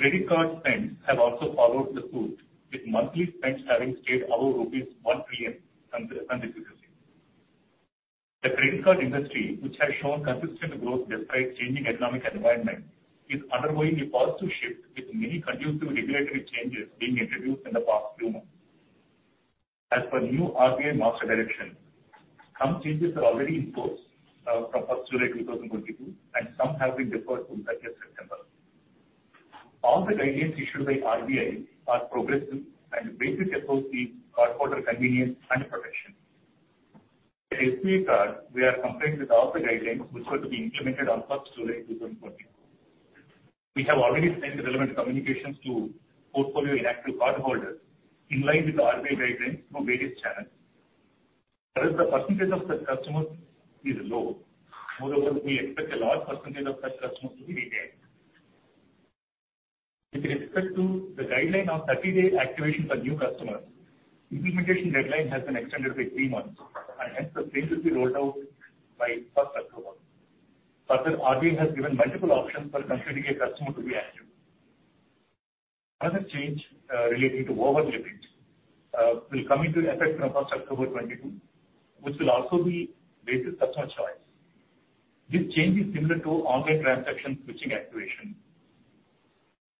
Credit card spends have also followed suit, with monthly spends having stayed over rupees 1 trillion since. The credit card industry, which has shown consistent growth despite changing economic environment, is undergoing a positive shift, with many conducive regulatory changes being introduced in the past few months. As per new RBI master direction, some changes are already in force from first July 2022, and some have been deferred to September 30. All the guidelines issued by RBI are progressive and basic approach is cardholder convenience and protection. At SBI Card, we are complying with all the guidelines which were to be implemented on first July 2022. We have already sent the relevant communications to portfolio inactive cardholders in line with the RBI guidelines through various channels. Whereas the percentage of such customers is low. Moreover, we expect a large percentage of such customers to be retained. With respect to the guideline of 30-day activation for new customers, implementation deadline has been extended by three months, and hence the same will be rolled out by first October. Further, RBI has given multiple options for considering a customer to be active. Another change, relating to over limits, will come into effect from first October 2022, which will also be based on customer choice. This change is similar to online transaction switching activation.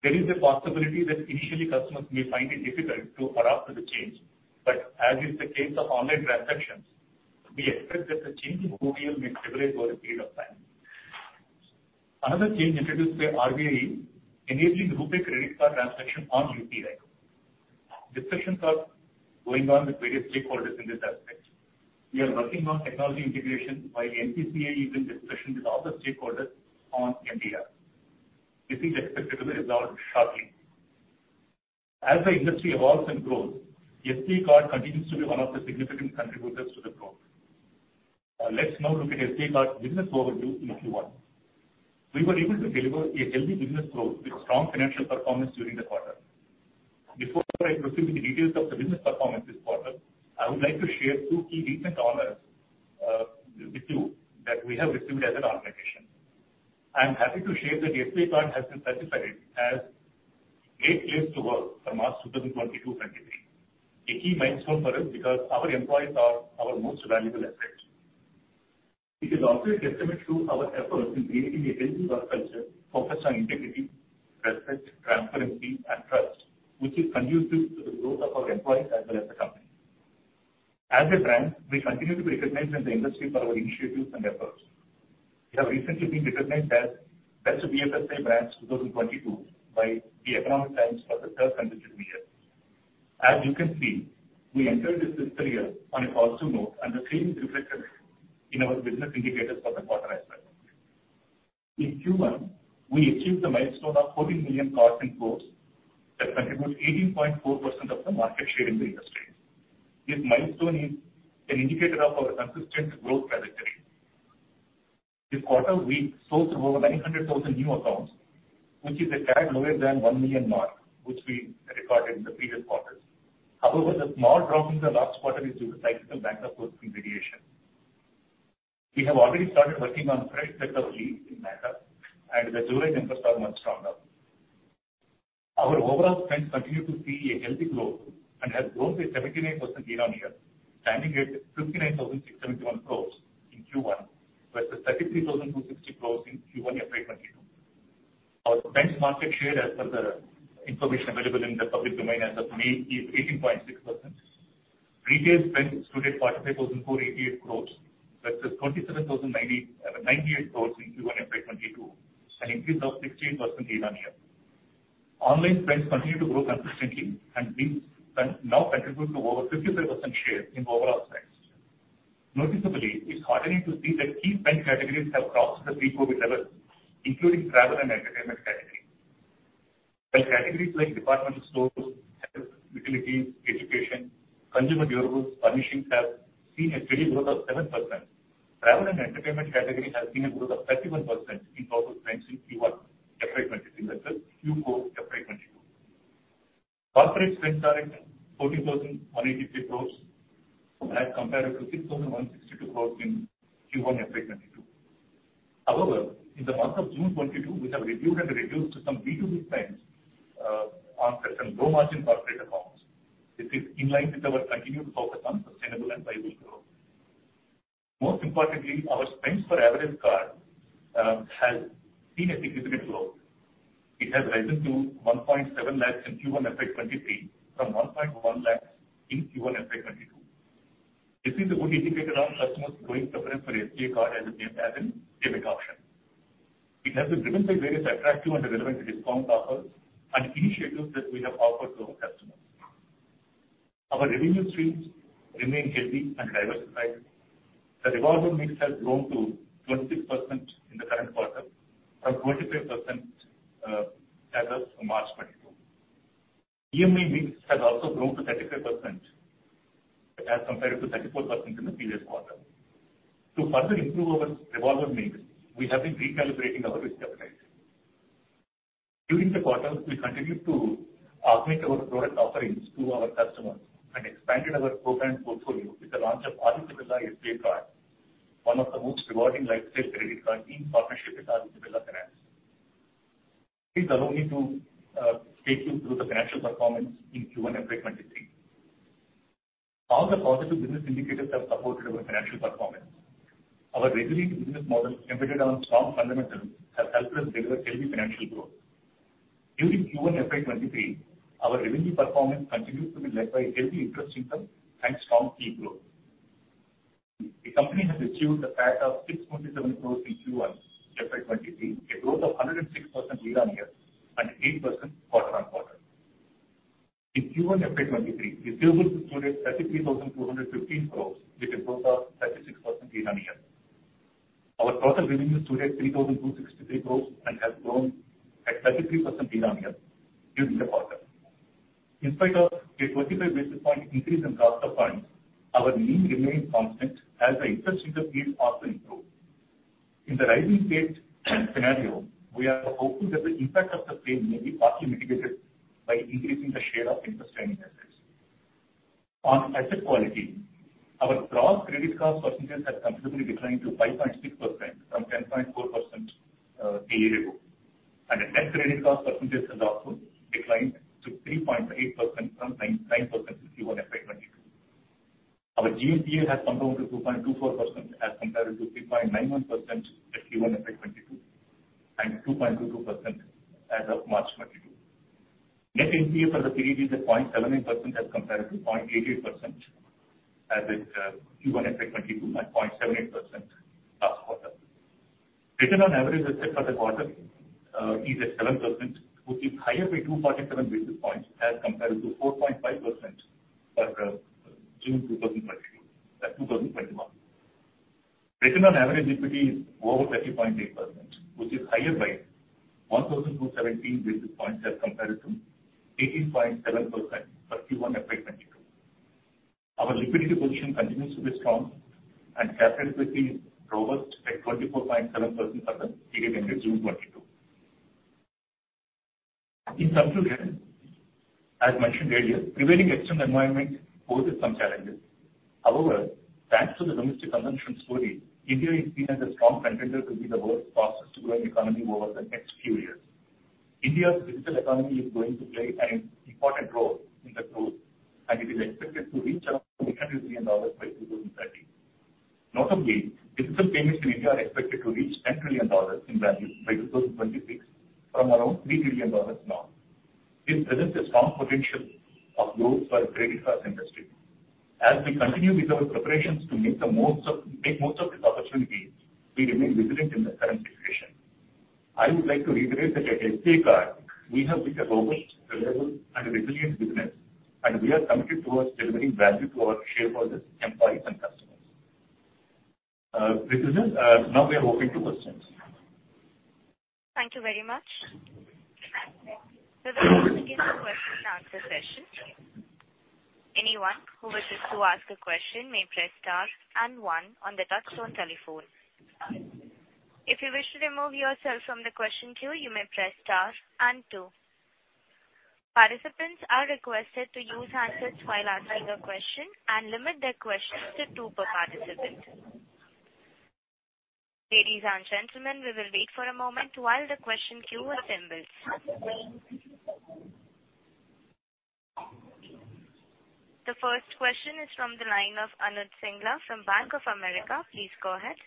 There is a possibility that initially customers may find it difficult to adapt to the change, but as is the case of online transactions, we expect that the change in OTL may stabilize over a period of time. Another change introduced by RBI, enabling RuPay Credit Card transaction on UPI. Discussions are going on with various stakeholders in this aspect. We are working on technology integration while NPCI is in discussion with other stakeholders on MDR. This is expected to be resolved shortly. As the industry evolves and grows, SBI Card continues to be one of the significant contributors to the growth. Let's now look at SBI Card business overview in Q1. We were able to deliver a healthy business growth with strong financial performance during the quarter. Before I proceed with the details of the business performance this quarter, I would like to share two key recent honors with you that we have received as an organization. I am happy to share that SBI Card has been certified as Great Place to Work from March 2022-2023. A key milestone for us because our employees are our most valuable asset. It is also a testament to our efforts in creating a healthy work culture focused on integrity, respect, transparency and trust, which is conducive to the growth of our employees as well as the company. As a brand, we continue to be recognized in the industry for our initiatives and efforts. We have recently been recognized as Best BFSI Brand 2022 by The Economic Times for the third consecutive year. As you can see, we entered this fiscal year on a positive note, and the same is reflected in our business indicators for the quarter as well. In Q1, we achieved the milestone of 14 million cards in force that contributes 18.4% of the market share in the industry. This milestone is an indicator of our consistent growth trajectory. This quarter, we sourced over 900,000 new accounts, which is a tad lower than 1 million mark, which we recorded in the previous quarter. However, the small drop in the last quarter is due to cyclical bank acquisition variation. We have already started working on fresh set of leads in NADA and the July numbers are much stronger. Our overall spends continue to see a healthy growth and has grown by 79% year-on-year, standing at 59,671 crores in Q1 versus 33,260 crores in Q1 FY 2022. Our spends market share as per the information available in the public domain as of today is 18.6%. Retail spends stood at 45,488 crores versus 27,098 crores in Q1 FY 2022, an increase of 16% year-on-year. Online spends continue to grow consistently and now contribute to over 55% share in overall spends. Noticeably, it's heartening to see that key spend categories have crossed the pre-COVID level, including travel and entertainment category. While categories like departmental stores, health, utilities, education, consumer durables, furnishings have seen a steady growth of 7%, travel and entertainment category has seen a growth of 31% in total spends in Q1 FY 2023 versus Q4 FY 2022. Corporate spends are at 14,183 crores as compared to 6,162 crores in Q1 FY 2022. However, in the month of June 2022, we have reviewed and reduced some B2B spends on certain low-margin corporate accounts. This is in line with our continued focus on sustainable and viable growth. Most importantly, our spends for average card has seen a significant growth. It has risen to 1.7 lakhs in Q1 FY 2023 from 1.1 lakhs in Q1 FY 2022. This is a good indicator on customers growing preference for SBI Card as a payment option. It has been driven by various attractive and relevant discount offers and initiatives that we have offered to our customers. Our revenue streams remain healthy and diversified. The revolver mix has grown to 26% in the current quarter from 25% as of March 2022. EMI mix has also grown to 35% as compared to 34% in the previous quarter. To further improve our revolver mix, we have been recalibrating our risk appetite. During the quarter, we continued to augment our product offerings to our customers and expanded our program portfolio with the launch of Adani SBI Card, one of the most rewarding lifestyle credit card in partnership with Adani Finance. Please allow me to take you through the financial performance in Q1 FY 2023. All the positive business indicators have supported our financial performance. Our resilient business model embedded on strong fundamentals has helped us deliver healthy financial growth. During Q1 FY 2023, our revenue performance continues to be led by healthy interest income and strong fee growth. The company has achieved a PAT of 6.7 crores in Q1 FY 2023, a growth of 106% year-on-year, and 8% quarter-on-quarter. In Q1 FY 2023, the disbursals stood at INR 33,215 crore with a growth of 36% year-on-year. Our total revenues stood at 3,263 crore and has grown at 33% year-on-year during the quarter. In spite of a 25 basis point increase in cost of funds, our NIM remained constant as the interest income yields also improved. In the rising rate scenario, we are hopeful that the impact of the same may be partly mitigated by increasing the share of interest-earning assets. On asset quality, our gross credit cost percentages have considerably declined to 5.6% from 10.4% a year ago. The net credit cost percentages has also declined to 3.8% from 9% in Q1 FY 2022. Our GNPA has come down to 2.24% as compared to 3.91% at Q1 FY 2022 and 2.22% as of March 2022. Net NPA for the period is at 0.78% as compared to 0.88% as at Q1 FY 2022, at 0.78% last quarter. Return on average assets for the quarter is at 7%, which is higher by 247 basis points as compared to 4.5% for June 2021. Return on average equity is over 30.8%, which is higher by 1,417 basis points as compared to 18.7% for Q1 FY 2022. Our liquidity position continues to be strong and capital position is robust at 24.7% as of period ended June 2022. In conclusion, as mentioned earlier, prevailing external environment poses some challenges. However, thanks to the domestic consumption story, India is seen as a strong contender to be the world's fastest-growing economy over the next few years. India's digital economy is going to play an important role in the growth, and it is expected to reach around $800 billion by 2030. Notably, digital payments in India are expected to reach $10 trillion in value by 2026 from around $3 trillion now. This presents a strong potential of growth for credit card industry. As we continue with our preparations to make the most of this opportunity, we remain vigilant in the current situation. I would like to reiterate that at SBI Card, we have built a robust, reliable and a resilient business, and we are committed towards delivering value to our shareholders, employees and customers. This is it. Now we are open to questions. Thank you very much. We will now begin the question and answer session. Anyone who wishes to ask a question may press star and one on the touchtone telephone. If you wish to remove yourself from the question queue, you may press star and two. Participants are requested to use handsets while asking a question and limit their questions to two per participant. Ladies and gentlemen, we will wait for a moment while the question queue assembles. The first question is from the line of Anuj Singla from Bank of America. Please go ahead.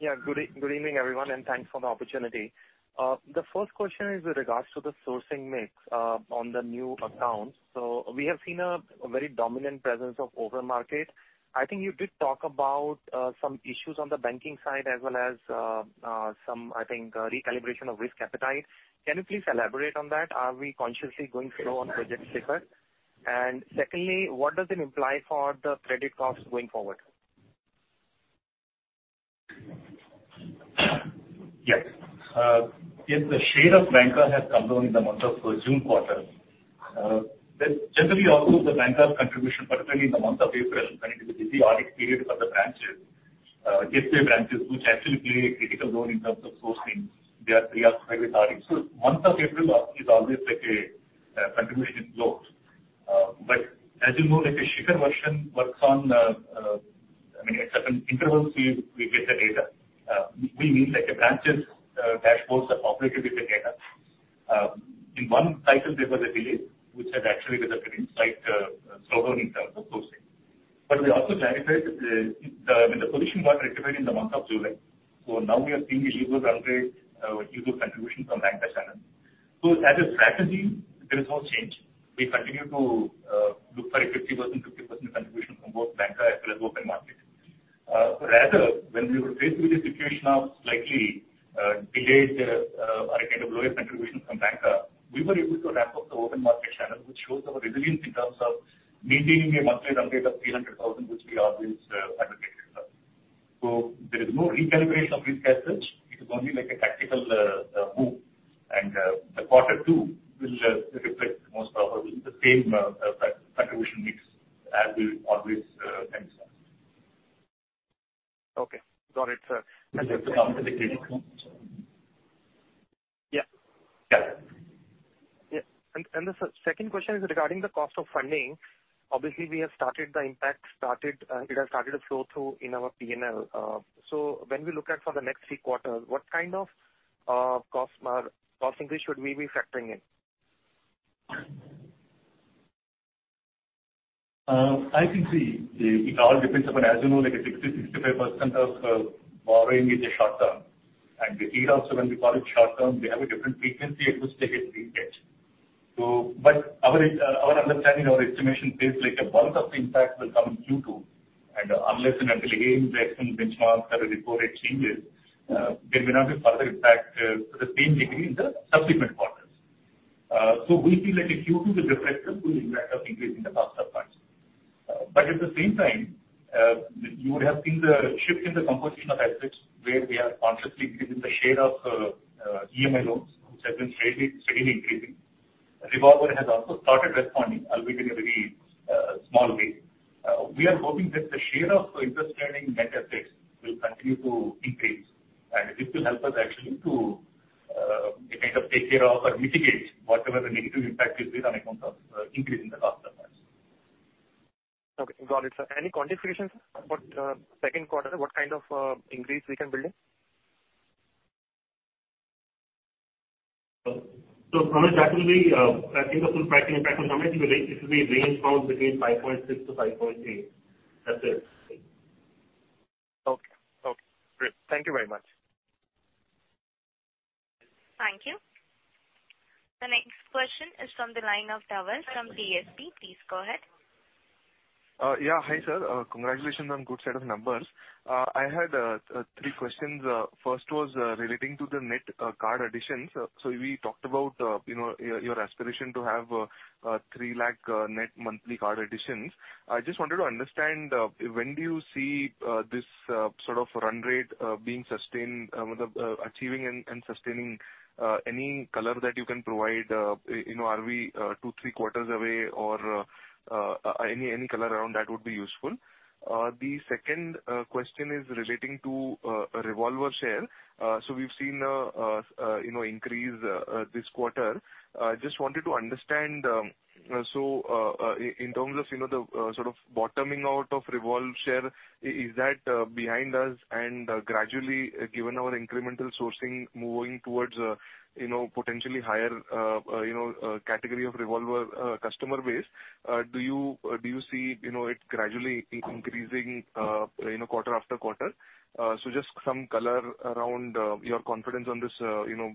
Yeah. Good evening, everyone, and thanks for the opportunity. The first question is with regards to the sourcing mix on the new accounts. We have seen a very dominant presence of open market. I think you did talk about some issues on the banking side as well as some recalibration of risk appetite. Can you please elaborate on that? Are we consciously going slow on banca acquisition? And secondly, what does it imply for the credit costs going forward? Yes. Yes, the share of banca has come down in the month of June quarter. Generally also the banca contribution, particularly in the month of April when it is a busy audit period for the branches, SBI branches, which actually play a critical role in terms of sourcing, they are preoccupied with audits. Month of April is always like a contribution is low. But as you know, like a data refresh works on, I mean, at certain intervals, we get the data. We mean like a branch's dashboards are populated with the data. In one cycle there was a delay which has actually resulted in slight slowdown in terms of sourcing. We also clarified that, I mean, the position got rectified in the month of July. Now we are seeing a usual run rate, usual contribution from banca channel. As a strategy, there is no change. We continue to look for a 50%/50% contribution from both banca as well as open market. Rather, when we were faced with a situation of slightly delayed or a kind of lower contribution from banca, we were able to ramp up the open market channel, which shows our resilience in terms of maintaining a monthly run rate of 300,000, which we always advocated for. There is no recalibration of risk as such. It is only like a tactical move. The quarter two will reflect most probably the same contribution mix as we always maintain. Okay. Got it, sir. Yeah. Yeah. The second question is regarding the cost of funding. Obviously, the impact has started to flow through in our P&L. When we look at for the next three quarters, what kind of cost increase should we be factoring in? I think it all depends upon, as you know, like 65% of borrowing is short term. When we call it short term, they have a different frequency at which they hit reset. Our understanding or estimation says like a bulk of the impact will come in Q2. Unless and until, again, the external benchmarks or the repo rate changes, there may not be further impact to the same degree in the subsequent quarters. We feel like in Q2 the pressure will impact or increase in the cost of funds. But at the same time, you would have seen the shift in the composition of assets, where we are consciously increasing the share of EMI loans, which have been steadily increasing. Revolver has also started responding, albeit in a very small way. We are hoping that the share of interest-earning net assets will continue to increase, and this will help us actually to kind of take care of or mitigate whatever the negative impact will be on account of increase in the cost of funds. Okay. Got it, sir. Any quantification, sir, about second quarter, what kind of increase we can build in? For me that will be, I think the full impact it will be range bound between 5.6%-5.8%. That's it. Okay, great. Thank you very much. Thank you. The next question is from the line of Tushar Chaudhari from Prabhudas Lilladher. Please go ahead. Hi, sir. Congratulations on good set of numbers. I had three questions. First was relating to the net card additions. We talked about, you know, your aspiration to have 3 lakh net monthly card additions. I just wanted to understand when do you see this sort of run rate being sustained with the achieving and sustaining any color that you can provide, you know, are we two, three quarters away or any color around that would be useful. The second question is relating to revolver share. We've seen, you know, increase this quarter. Just wanted to understand, so, in terms of, you know, the sort of bottoming out of revolver share, is that behind us and, gradually, given our incremental sourcing moving towards, you know, potentially higher category of revolver customer base, do you see, you know, it gradually increasing, you know, quarter after quarter? So just some color around your confidence on this, you know,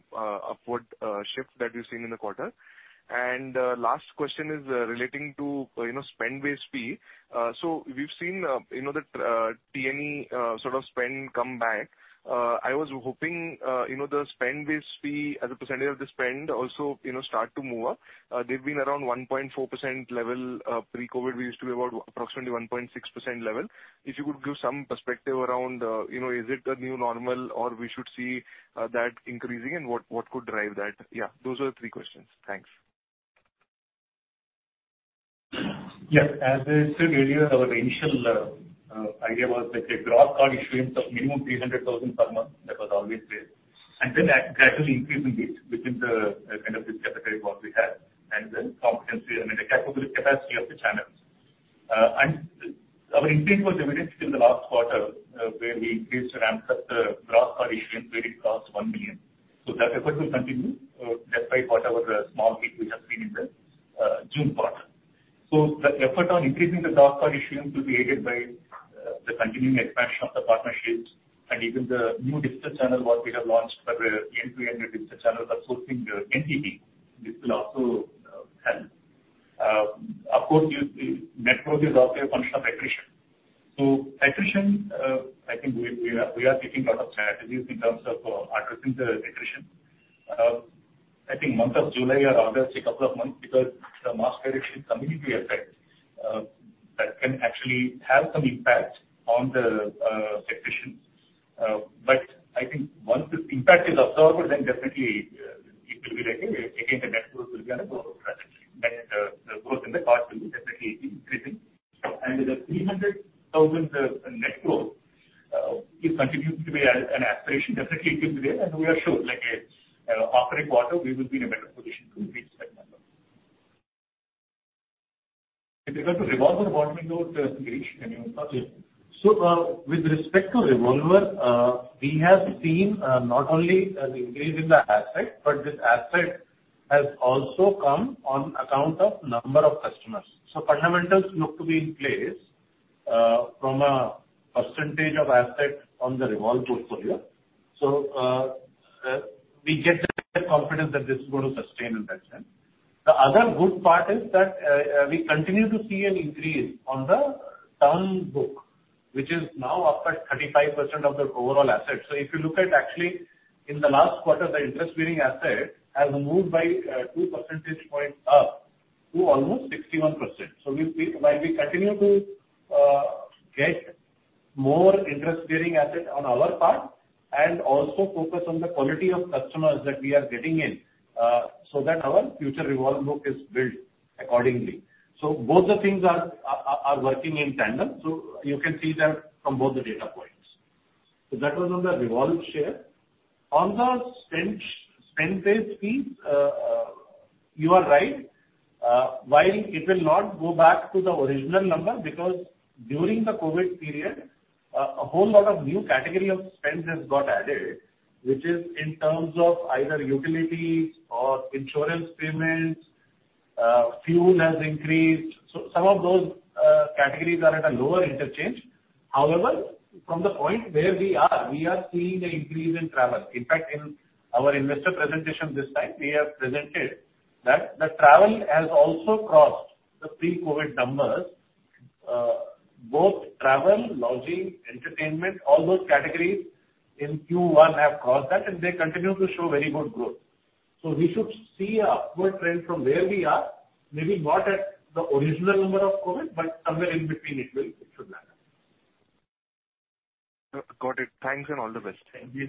upward shift that we're seeing in the quarter. Last question is relating to, you know, spend-based fee. So we've seen, you know, the T&E sort of spend come back. I was hoping, you know, the spend-based fee as a percentage of the spend also, you know, start to move up. They've been around 1.4% level. Pre-COVID we used to be about approximately 1.6% level. If you could give some perspective around, you know, is it a new normal or we should see that increasing and what could drive that? Yeah, those are the three questions. Thanks. Yes. As I said earlier, our initial idea was like a gross card issuance of minimum 300,000 per month. That was always there. Then a gradual increase in this within the kind of this category what we have, and then the capacity of the channels. Our increase was evident in the last quarter, where we increased or ramped up the gross card issuance where it crossed 1 million. That effort will continue, despite whatever small hit we have seen in the June quarter. The effort on increasing the gross card issuance will be aided by the continuing expansion of the partnerships and even the new digital channel what we have launched, like a end-to-end digital channel outsourcing the NTB. This will also help. Of course, the net growth is also a function of attrition. Attrition, I think we are taking a lot of strategies in terms of addressing the attrition. I think month of July or August, a couple of months because the master direction is coming into effect, that can actually have some impact on the attrition. But I think once this impact is absorbed, then definitely, it will be like, again, the net growth will be on a growth strategy. Net growth in the card will definitely be increasing. The 300,000 net growth, it continues to be an aspiration. Definitely it will be there, and we are sure, like, upcoming quarter we will be in a better position to reach that number. In regard to revolver, what we know, Girish, can you. Okay. With respect to revolver, we have seen not only an increase in the asset, but this asset has also come on account of number of customers. Fundamentals look to be in place from a percentage of asset on the revolver portfolio. We get the confidence that this is going to sustain in that sense. The other good part is that we continue to see an increase on the term book, which is now up at 35% of the overall assets. If you look at actually in the last quarter, the interest bearing asset has moved by two percentage points up to almost 61%. We see while we continue to get more interest-bearing asset on our part and also focus on the quality of customers that we are getting in, so that our future revolve book is built accordingly. Both the things are working in tandem, so you can see them from both the data points. That was on the revolve share. On the spend-based fees, you are right. While it will not go back to the original number because during the COVID period, a whole lot of new category of spends has got added, which is in terms of either utilities or insurance payments, fuel has increased. Some of those categories are at a lower interchange. However, from the point where we are, we are seeing an increase in travel. In fact, in our investor presentation this time, we have presented that the travel has also crossed the pre-COVID numbers. Both travel, lodging, entertainment, all those categories in Q1 have crossed that and they continue to show very good growth. We should see a upward trend from where we are, maybe not at the original number of COVID, but somewhere in between it will, it should land. Got it. Thanks and all the best. Thank you.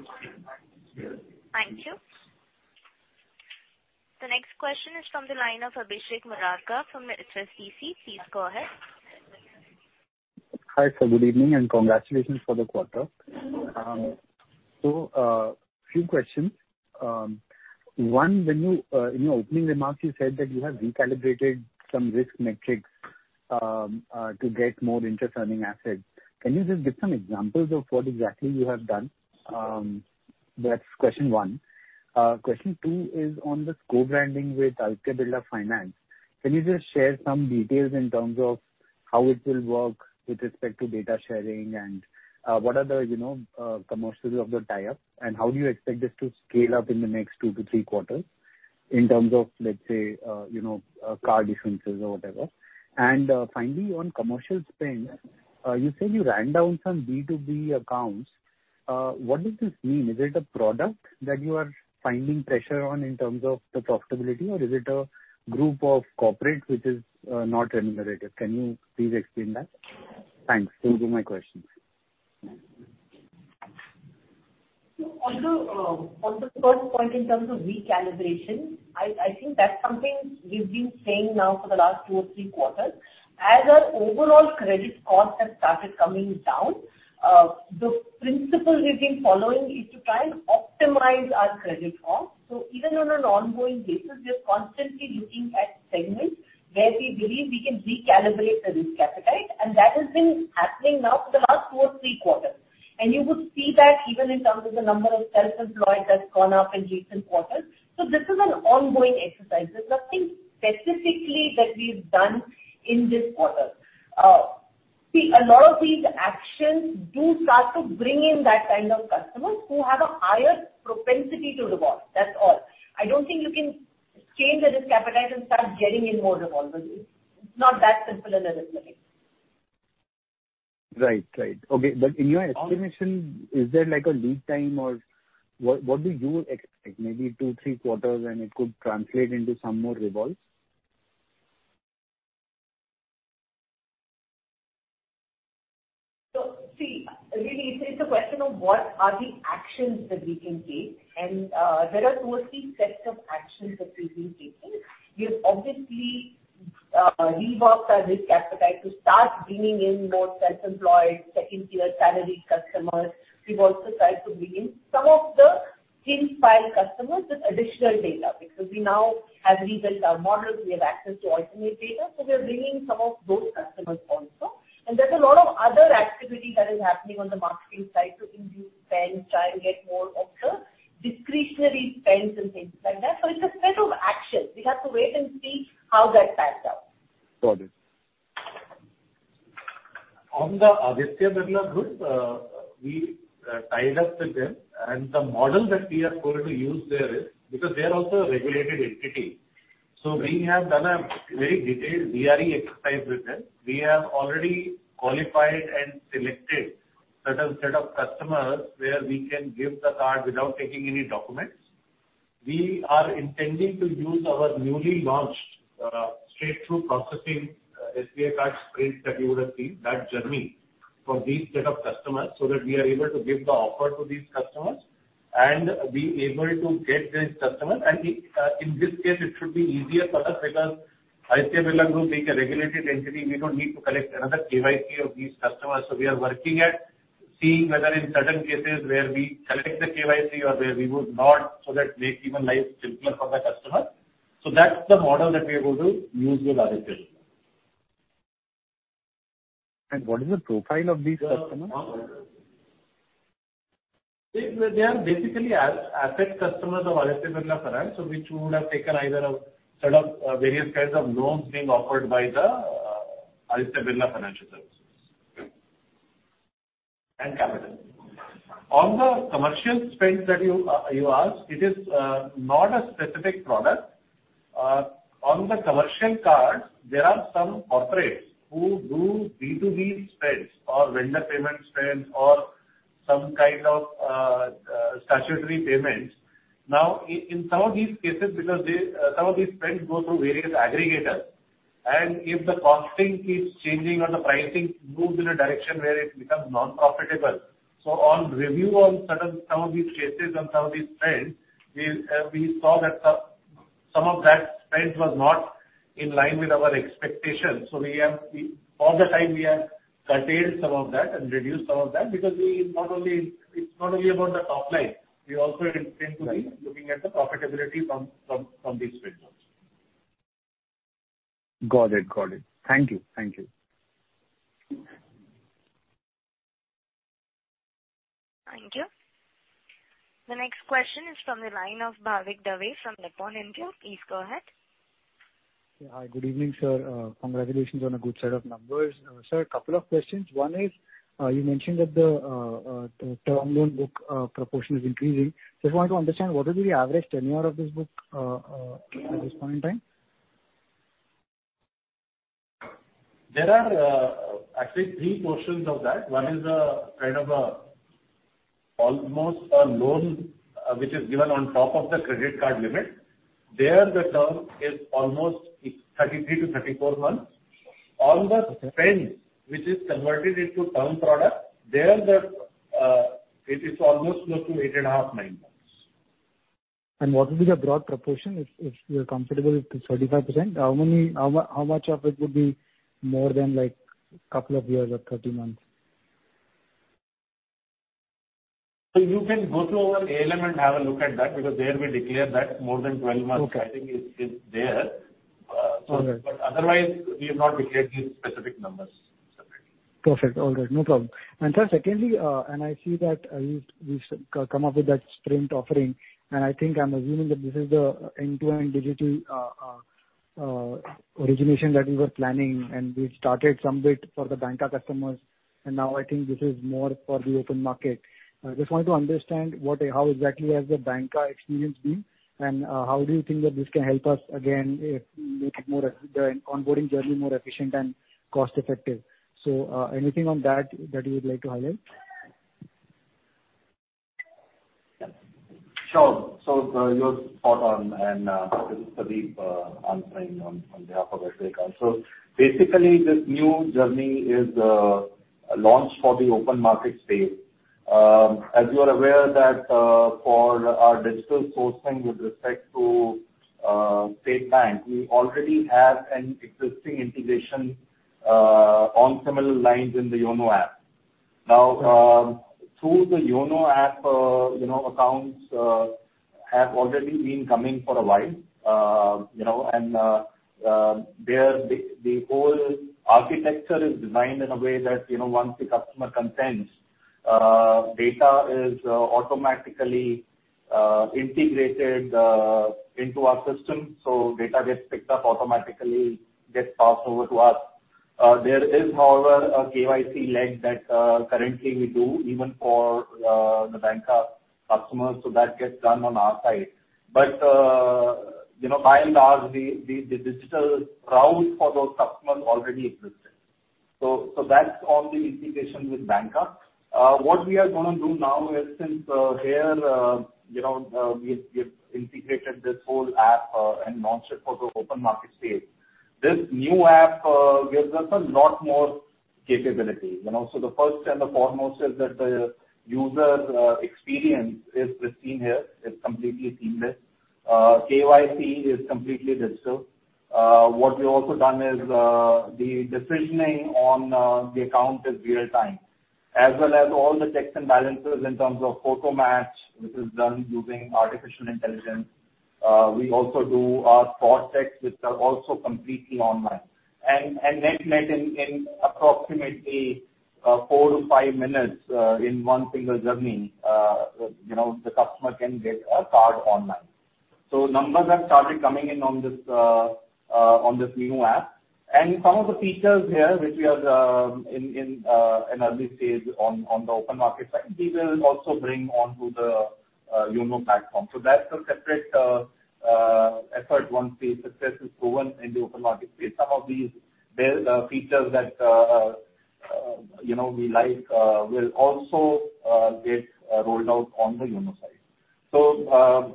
Thank you. The next question is from the line of Abhishek Murarka from ICICI. Please go ahead. Hi, sir. Good evening, and congratulations for the quarter. Thank you. Few questions. One, when you, in your opening remarks you said that you have recalibrated some risk metrics to get more interest earning assets. Can you just give some examples of what exactly you have done? That's question one. Question two is on this co-branding with Aditya Birla Finance. Can you just share some details in terms of how it will work with respect to data sharing and what are the, you know, commercials of the tie-up, and how do you expect this to scale up in the next two to three quarters in terms of, let's say, you know, card issuances or whatever? Finally, on commercial spend, you said you ran down some B2B accounts. What does this mean? Is it a product that you are finding pressure on in terms of the profitability, or is it a group of corporates which is not remunerative? Can you please explain that? Thanks. Those are my questions. On the first point in terms of recalibration, I think that's something we've been saying now for the last two or three quarters. As our overall credit cost has started coming down, the principle we've been following is to try and optimize our credit cost. Even on an ongoing basis, we are constantly looking at segments where we believe we can recalibrate the risk appetite, and that has been happening now for the last two or three quarters. You would see that even in terms of the number of self-employed that's gone up in recent quarters. This is an ongoing exercise. There's nothing specifically that we've done in this quarter. A lot of these actions do start to bring in that kind of customers who have a higher propensity to revolve. That's all. I don't think you can change the risk appetite and start getting in more revolvers. It's not that simple an arithmetic. Right. Okay. In your explanation, is there like a lead time or what do you expect? Maybe two, three quarters and it could translate into some more revolvers? See, really it's a question of what are the actions that we can take, and there are mostly sets of actions that we've been taking. We have obviously revamped our risk appetite to start bringing in more self-employed, second tier salaried customers. We've also tried to bring in some of the thin file customers with additional data, because we now have rebuilt our models, we have access to alternate data, so we are bringing some of those customers also. There's a lot of other activity that is happening on the marketing side to induce spends, try and get more of the discretionary spends and things like that. It's a set of actions. We have to wait and see how that pans out. Got it. On the Aditya Birla Group, we tied up with them and the model that we are going to use there is because they are also a regulated entity, so we have done a very detailed DRE exercise with them. We have already qualified and selected certain set of customers where we can give the card without taking any documents. We are intending to use our newly launched straight through processing SBI Card experience that you would have seen, that journey, for these set of customers, so that we are able to give the offer to these customers and be able to get these customers. In this case, it should be easier for us because Aditya Birla Group being a regulated entity, we don't need to collect another KYC of these customers. We are working at seeing whether in certain cases where we collect the KYC or where we would not, so that make even life simpler for the customer. That's the model that we are going to use with Aditya. What is the profile of these customers? They are basically asset customers of Aditya Birla Finance, so which would have taken either a set of various kinds of loans being offered by the Aditya Birla Financial Services. Okay. [Ampersand Capital Partners]. On the commercial spends that you asked, it is not a specific product. On the commercial cards, there are some corporates who do B2B spends or vendor payment spends or some kind of statutory payments. Now, in some of these cases because some of these spends go through various aggregators if the costing keeps changing or the pricing moves in a direction where it becomes non-profitable. On review on certain of these cases and some of these trends, we saw that some of that spend was not in line with our expectations. All the time we have curtailed some of that and reduced some of that because it's not only about the top line, we also intend to be looking at the profitability from these trends also. Got it. Thank you. Thank you. The next question is from the line of Bhavik Dave from Nippon India. Please go ahead. Yeah. Hi, good evening, sir. Congratulations on a good set of numbers. Sir, a couple of questions. One is, you mentioned that the term loan book at this point in time? There are actually three portions of that. One is a kind of almost a loan which is given on top of the credit card limit. There the term is almost 33-34 months. On the spend which is converted into term product, there it is almost close to eight and half, nine months. What will be the broad proportion if you're comfortable, if it's 35%, how much of it would be more than like couple of years or 30 months? You can go through our ALM and have a look at that because there we declare that more than 12 months. Okay. I think is there. All right. Otherwise, we have not declared these specific numbers separately. Perfect. All right. No problem. Sir, secondly, I see that you've come up with that Sprint offering, and I think I'm assuming that this is the end-to-end digital origination that we were planning, and we started some bit for the banca customers and now I think this is more for the open market. I just wanted to understand what, how exactly has the banca experience been, and how do you think that this can help us again make the onboarding journey more efficient and cost effective. Anything on that that you would like to highlight? Sure. You're spot on and this is Pradeep answering on behalf of Girish Budhiraja. Basically this new journey is launched for the open market space. As you are aware, for our digital sourcing with respect to State Bank, we already have an existing integration on similar lines in the YONO app. Now, through the YONO app, you know, accounts have already been coming for a while. You know, and the whole architecture is designed in a way that, you know, once the customer consents, data is automatically integrated into our system, so data gets picked up automatically, gets passed over to us. There is however a KYC leg that currently we do even for the banca customers so that gets done on our side. You know, by and large the digital route for those customers already existed. that's on the integration with banca. what we are gonna do now is since here you know we've integrated this whole app and launched it for the open market space. This new app gives us a lot more capability, you know? The first and the foremost is that the user experience is pristine here. It's completely seamless. KYC is completely digital. what we've also done is the decisioning on the account is real time. As well as all the checks and balances in terms of photo match, which is done using artificial intelligence. we also do our fraud checks, which are also completely online. Net in approximately four to five minutes in one single journey, you know, the customer can get a card online. Numbers have started coming in on this new app. Some of the features here which we are in an early stage on the open market side, we will also bring onto the YONO platform. That's a separate effort once the success is proven in the open market space. Some of these built features that you know we like will also get rolled out on the YONO side.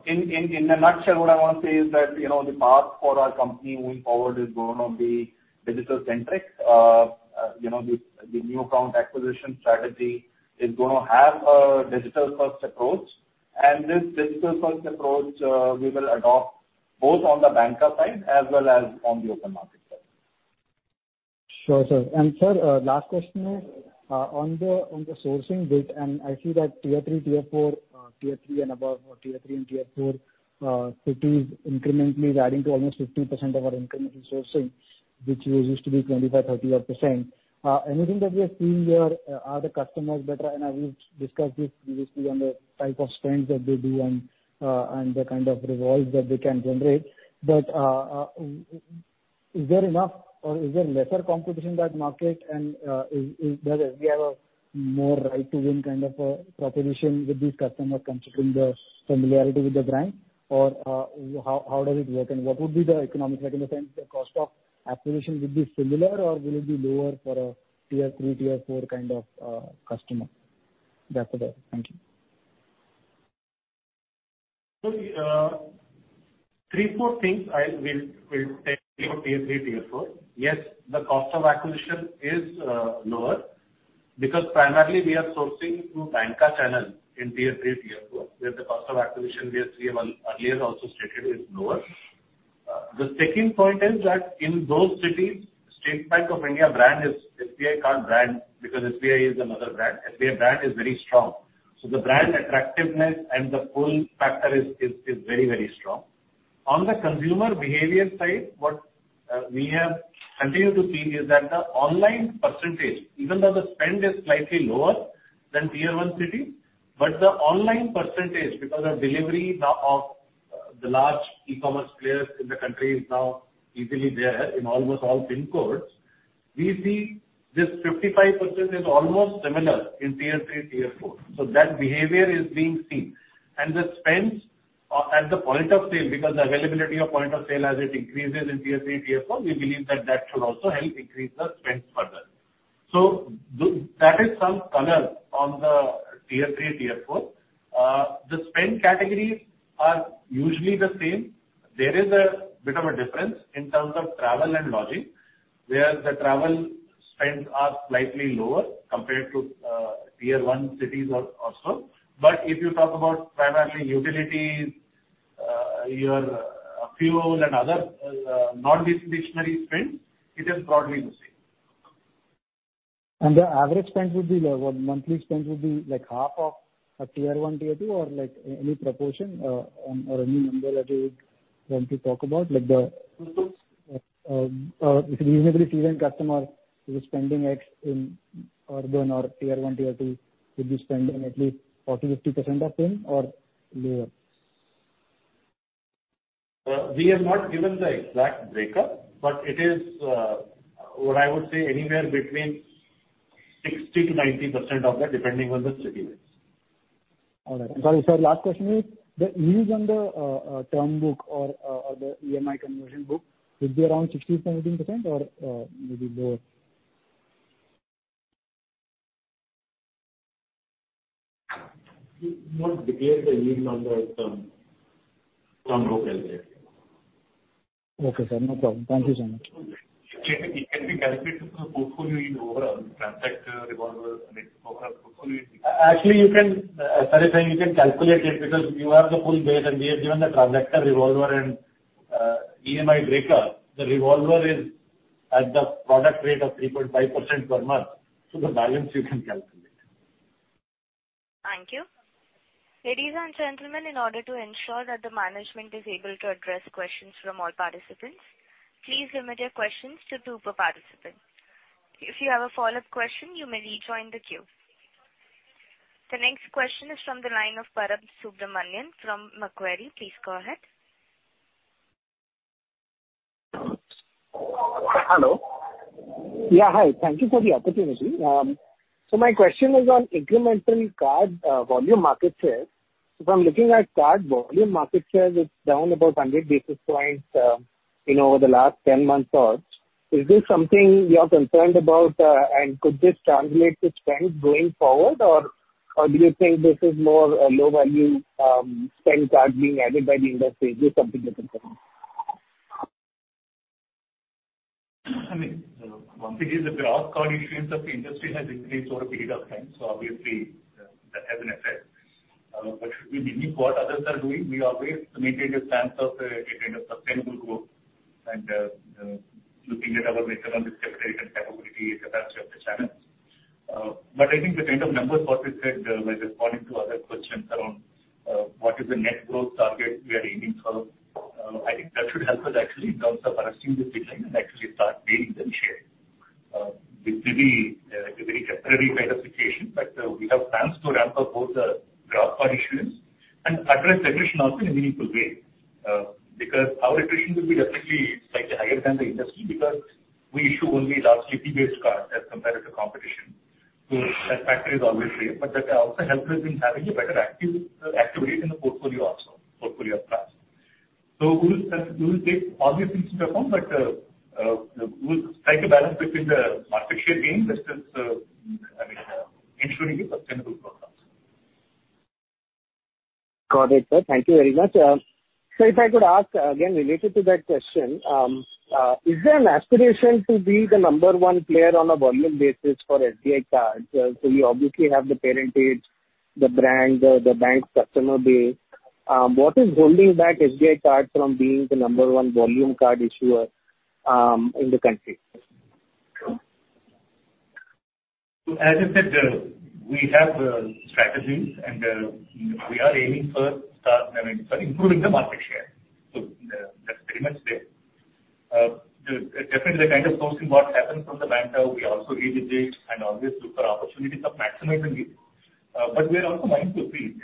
In a nutshell, what I wanna say is that, you know, the path for our company moving forward is gonna be digital centric. You know, the new account acquisition strategy is gonna have a digital first approach. This digital first approach, we will adopt both on the banca side as well as on the open market side. Sure, sir. Sir, last question on the sourcing bit, and I see that Tier 3 and Tier 4 cities incrementally adding to almost 50% of our incremental sourcing, which used to be 25, 30-odd%. Anything that we are seeing there, are the customers better? I know we've discussed this previously on the type of spends that they do and the kind of revolvers that they can generate. But is there enough or is there lesser competition in that market? Do we have a more right to win kind of a proposition with these customers considering the familiarity with the brand? Or how does it work, and what would be the economics? Like in the sense the cost of acquisition, would be similar or will it be lower for a Tier 3, Tier 4 kind of customer? That's all. Thank you. The three or four things I will take for Tier 3, Tier 4. Yes, the cost of acquisition is lower because primarily we are sourcing through banca channel in Tier 3, Tier 4, where the cost of acquisition we have seen earlier also stated is lower. The second point is that in those cities, State Bank of India brand is SBI Card brand because SBI is another brand. SBI brand is very strong. The brand attractiveness and the pull factor is very strong. On the consumer behavior side, what we have continued to see is that the online percentage, even though the spend is slightly lower than Tier 1 city, but the online percentage because the delivery now of the large e-commerce players in the country is now easily there in almost all PIN codes, we see this 55% is almost similar in Tier 3, Tier 4. That behavior is being seen. The spends at the point of sale, because the availability of point of sale as it increases in Tier 3, Tier 4, we believe that that should also help increase the spends further. That is some color on the Tier 3, Tier 4. The spend categories are usually the same. There is a bit of a difference in terms of travel and lodging, where the travel spends are slightly lower compared to Tier 1 cities or also. If you talk about primarily utilities, your fuel and other non-discretionary spends, it is broadly the same. The average spend would be lower. Monthly spend would be like half of a Tier 1, Tier 2 or like any proportion, or any number that you would want to talk about, like if a reasonably seasoned customer who is spending X in urban or Tier 1, Tier 2, would be spending at least 40%, 50% of him or lower. We have not given the exact breakup, but it is what I would say anywhere between 60%-90% of that, depending on the city it is. All right. Sorry, sir, last question is, the yields on the term book or the EMI conversion book would be around 16%-17% or maybe more? We've not declared the yields on the term book as yet. Okay, sir. No problem. Thank you so much. It can be calculated from the portfolio yield overall, the transactor revolver and its overall portfolio yield. Actually, you can calculate it because you have the full base and we have given the transactor revolver and EMI breaker. The revolver is at the product rate of 3.5% per month, so the balance you can calculate. Thank you. Ladies and gentlemen, in order to ensure that the management is able to address questions from all participants, please limit your questions to two per participant. If you have a follow-up question, you may rejoin the queue. The next question is from the line of Param Subramanian from Macquarie. Please go ahead. Hello. Yeah. Hi. Thank you for the opportunity. My question is on incremental card volume market share. If I'm looking at card volume market share, it's down about 100 basis points, you know, over the last 10 months or so. Is this something you are concerned about, and could this translate to spend going forward, or do you think this is more a low value spend card being added by the industry? Is this something that you're concerned with? I mean, one thing is the gross card issuance of the industry has increased over a period of time, so obviously, that has an effect. Should we mimic what others are doing? We always maintain a stance of a kind of sustainable growth and looking at our return on equity and capability is a benchmark to challenge. I think the kind of numbers what we said while responding to other questions around what is the net growth target we are aiming for, I think that should help us actually in terms of arresting this decline and actually start gaining some share. This will be a very temporary diversification, but we have plans to ramp up both the gross card issuance and address attrition also in a meaningful way. Because our attrition will be definitely slightly higher than the industry because we issue only largely PB-based cards as compared to competition. That factor is always there, but that also helps us in having a better activation in the portfolio of cards. We'll take all these things into account, but we'll try to balance between the market share gain versus I mean ensuring a sustainable growth also. Got it, sir. Thank you very much. If I could ask again related to that question, is there an aspiration to be the number one player on a volume basis for SBI Cards? You obviously have the percentage, the brand, the bank's customer base. What is holding back SBI Cards from being the number one volume card issuer, in the country? As I said, we have strategies and we are aiming, I mean, for improving the market share. That's very much there. Definitely the kind of sourcing that happens from the bank, we also revisit and always look for opportunities of maximizing it. But we are also mindful to see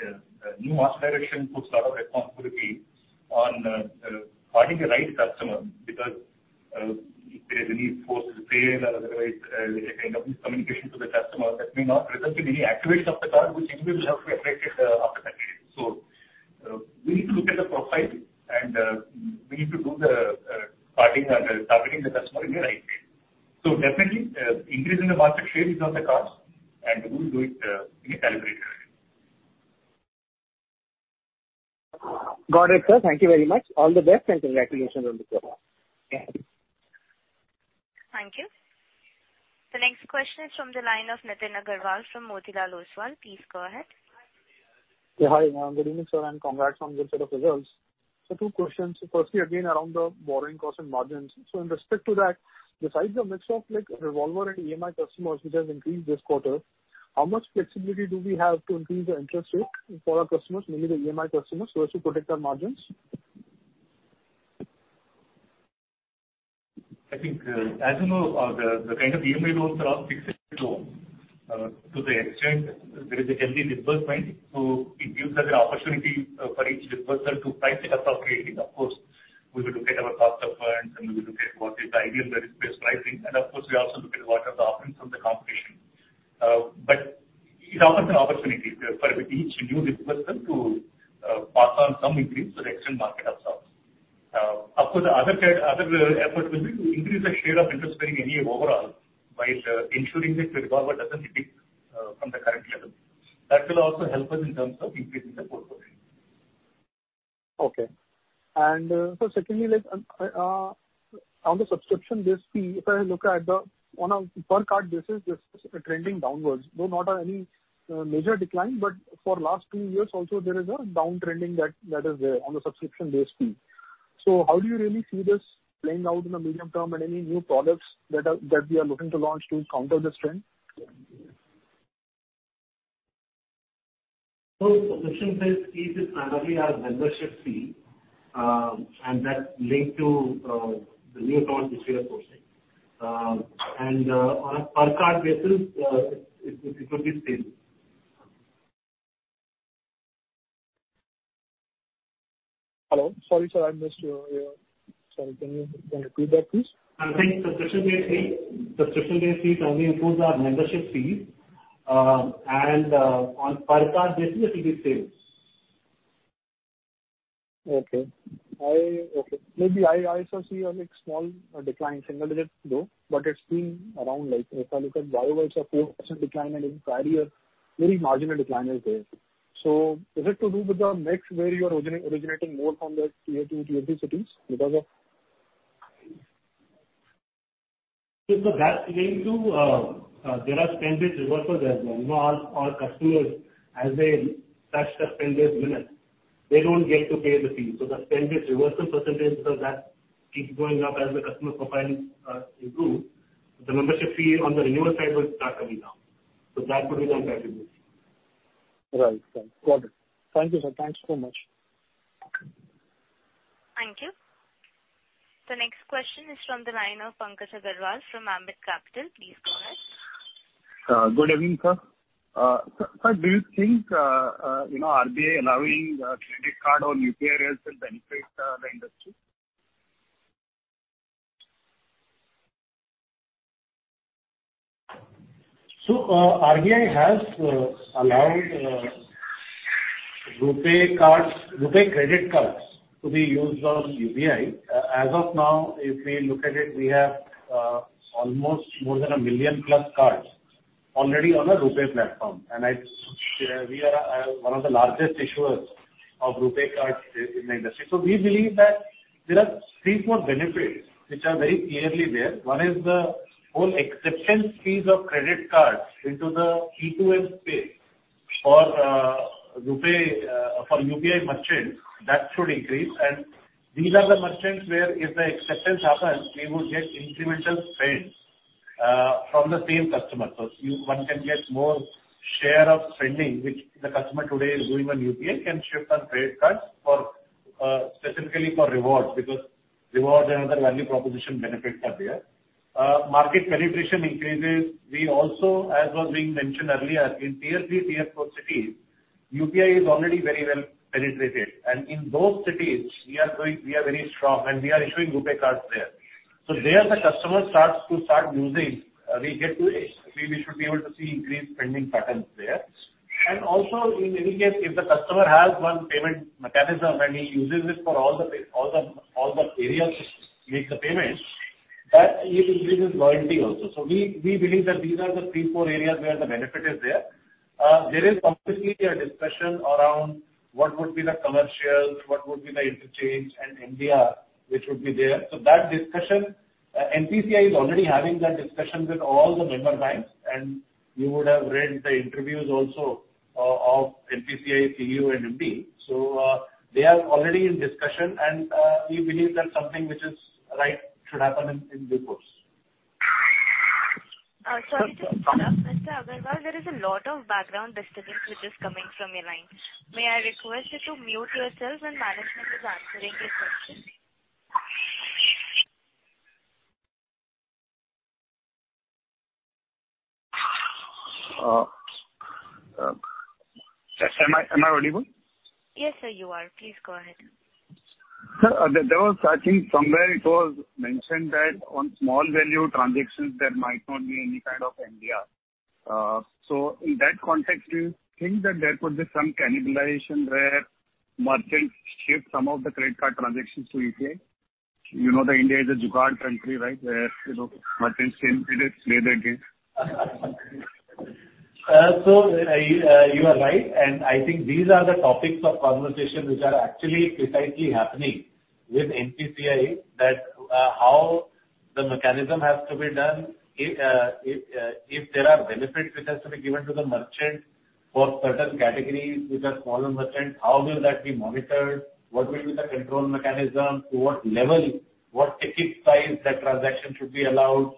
new master direction puts a lot of responsibility on acquiring the right customer because if there is any default or otherwise, any kind of miscommunication to the customer, that may not result in any activation of the card, which anyway will have to be affected after that period. We need to look at the profile and we need to do the partitioning and targeting the customer in the right way. Definitely, increase in the market share is at a cost and we will do it in a calibrated way. Got it, sir. Thank you very much. All the best and congratulations on the quarter. Thank you. Thank you. The next question is from the line of Nitin Aggarwal from Motilal Oswal. Please go ahead. Yeah. Hi. Good evening, sir, and congrats on good set of results. Two questions. Firstly, again, around the borrowing cost and margins. In respect to that, besides the mix of like revolver and EMI customers which has increased this quarter, how much flexibility do we have to increase the interest rate for our customers, mainly the EMI customers, so as to protect our margins? I think, as you know, the kind of EMI loans are all fixed rate loans, to the extent there is a healthy disbursement. It gives us an opportunity for each disbursement to price it appropriately. Of course, we will look at our cost of funds, and we will look at what is the ideal risk-based pricing. Of course, we also look at what are the offerings from the competition. It offers an opportunity for each new disbursement to pass on some increase to the extent market absorbs. Of course, the other side, other effort will be to increase the share of interest bearing EMI overall, while ensuring that revolver doesn't dip from the current level. That will also help us in terms of increasing the portfolio. Okay. Secondly, like, on the subscription-based fee, if I look at it on a per card basis, this is trending downwards, though not any major decline, but for last two years also there is a down trending that is there on the subscription-based fee. How do you really see this playing out in the medium term and any new products that we are looking to launch to counter this trend? Subscription-based fee is primarily our membership fee, and that's linked to the new account acquisition cost. On a per card basis, it would be stable. Hello? Sorry, sir. Sorry, can you repeat that, please? I think subscription-based fee currently includes our membership fee. On per card basis it will be stable. Maybe I also see a like small decline single-digit though but it's been around like if I look at year-over-year it's a 4% decline and in prior year very marginal decline is there. Is it to do with the mix where you are originating more from the Tier 2, Tier 3 cities because of. That's going to there are spend-based revolvers as well. You know, our customers as they touch the spend-based limit, they don't get to pay the fee. The spend-based reversal percentage because that keeps going up as the customer profiles improve. The membership fee on the renewal side will start coming down. That would be the contributor. Right. Got it. Thank you, sir. Thanks so much. Thank you. The next question is from the line of Pankaj Agarwal from Ambit Capital. Please go ahead. Good evening, sir. Sir, do you think, you know, RBI allowing credit card on UPI rails will benefit the industry? RBI has allowed RuPay Card, RuPay Credit Card to be used on UPI. As of now, if we look at it, we have almost more than 1 million plus cards already on a RuPay platform. I'd share we are one of the largest issuers of RuPay Cards in the industry. We believe that there are three, four benefits which are very clearly there. One is the whole acceptance fees of credit cards into the E2E space for RuPay, for UPI merchants that should increase. These are the merchants where if the acceptance happens, we would get incremental spends from the same customer. One can get more share of spending, which the customer today is doing on UPI can shift on credit cards for, specifically for rewards, because rewards and other value proposition benefits are there. Market penetration increases. We also, as was being mentioned earlier, in Tier 3, Tier 4 cities, UPI is already very well penetrated. In those cities we are going, we are very strong, and we are issuing RuPay Cards there. There the customer starts using, we get to it. We should be able to see increased spending patterns there. In any case, if the customer has one payment mechanism and he uses it for all the areas to make the payments, that it increases loyalty also. We believe that these are the three, four areas where the benefit is there. There is completely a discussion around what would be the commercials, what would be the interchange and MDR which would be there. That discussion, NPCI is already having that discussion with all the member banks. You would have read the interviews also of NPCI CEO and MD. They are already in discussion. We believe that something which is right should happen in due course. Sorry to interrupt, Mr. Agarwal, there is a lot of background disturbance which is coming from your line. May I request you to mute yourself when management is answering your question? Am I audible? Yes, sir, you are. Please go ahead. Sir, there was I think somewhere it was mentioned that on small value transactions there might not be any kind of MDR. In that context, do you think that there could be some cannibalization where merchants shift some of the credit card transactions to UPI? You know that India is a Jugaad country, right? Where, you know, merchants can play their game. You are right, and I think these are the topics of conversation which are actually precisely happening with NPCI, that how the mechanism has to be done. If there are benefits which has to be given to the merchant for certain categories with a small merchant, how will that be monitored? What will be the control mechanism? To what level? What ticket size that transaction should be allowed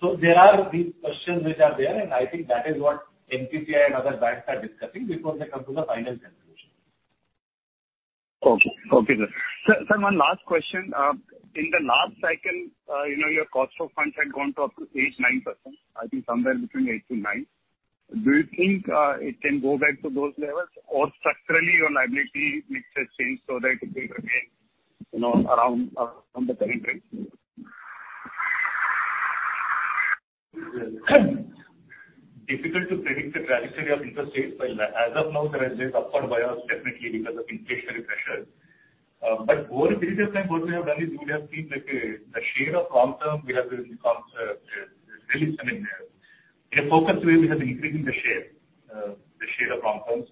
for? There are these questions which are there, and I think that is what NPCI and other banks are discussing before they come to the final conclusion. Okay, sir. One last question. In the last cycle, you know, your cost of funds had gone up to 8%-9%. I think somewhere between 8%-9%. Do you think it can go back to those levels? Or structurally, your liability mixture has changed so that it will remain, you know, around the current range? Difficult to predict the trajectory of interest rates, but as of now, there is this upward bias definitely because of inflationary pressures. Over a period of time, what we have done is we have seen like the share of long term really coming there. In a focused way, we have been increasing the share of long term.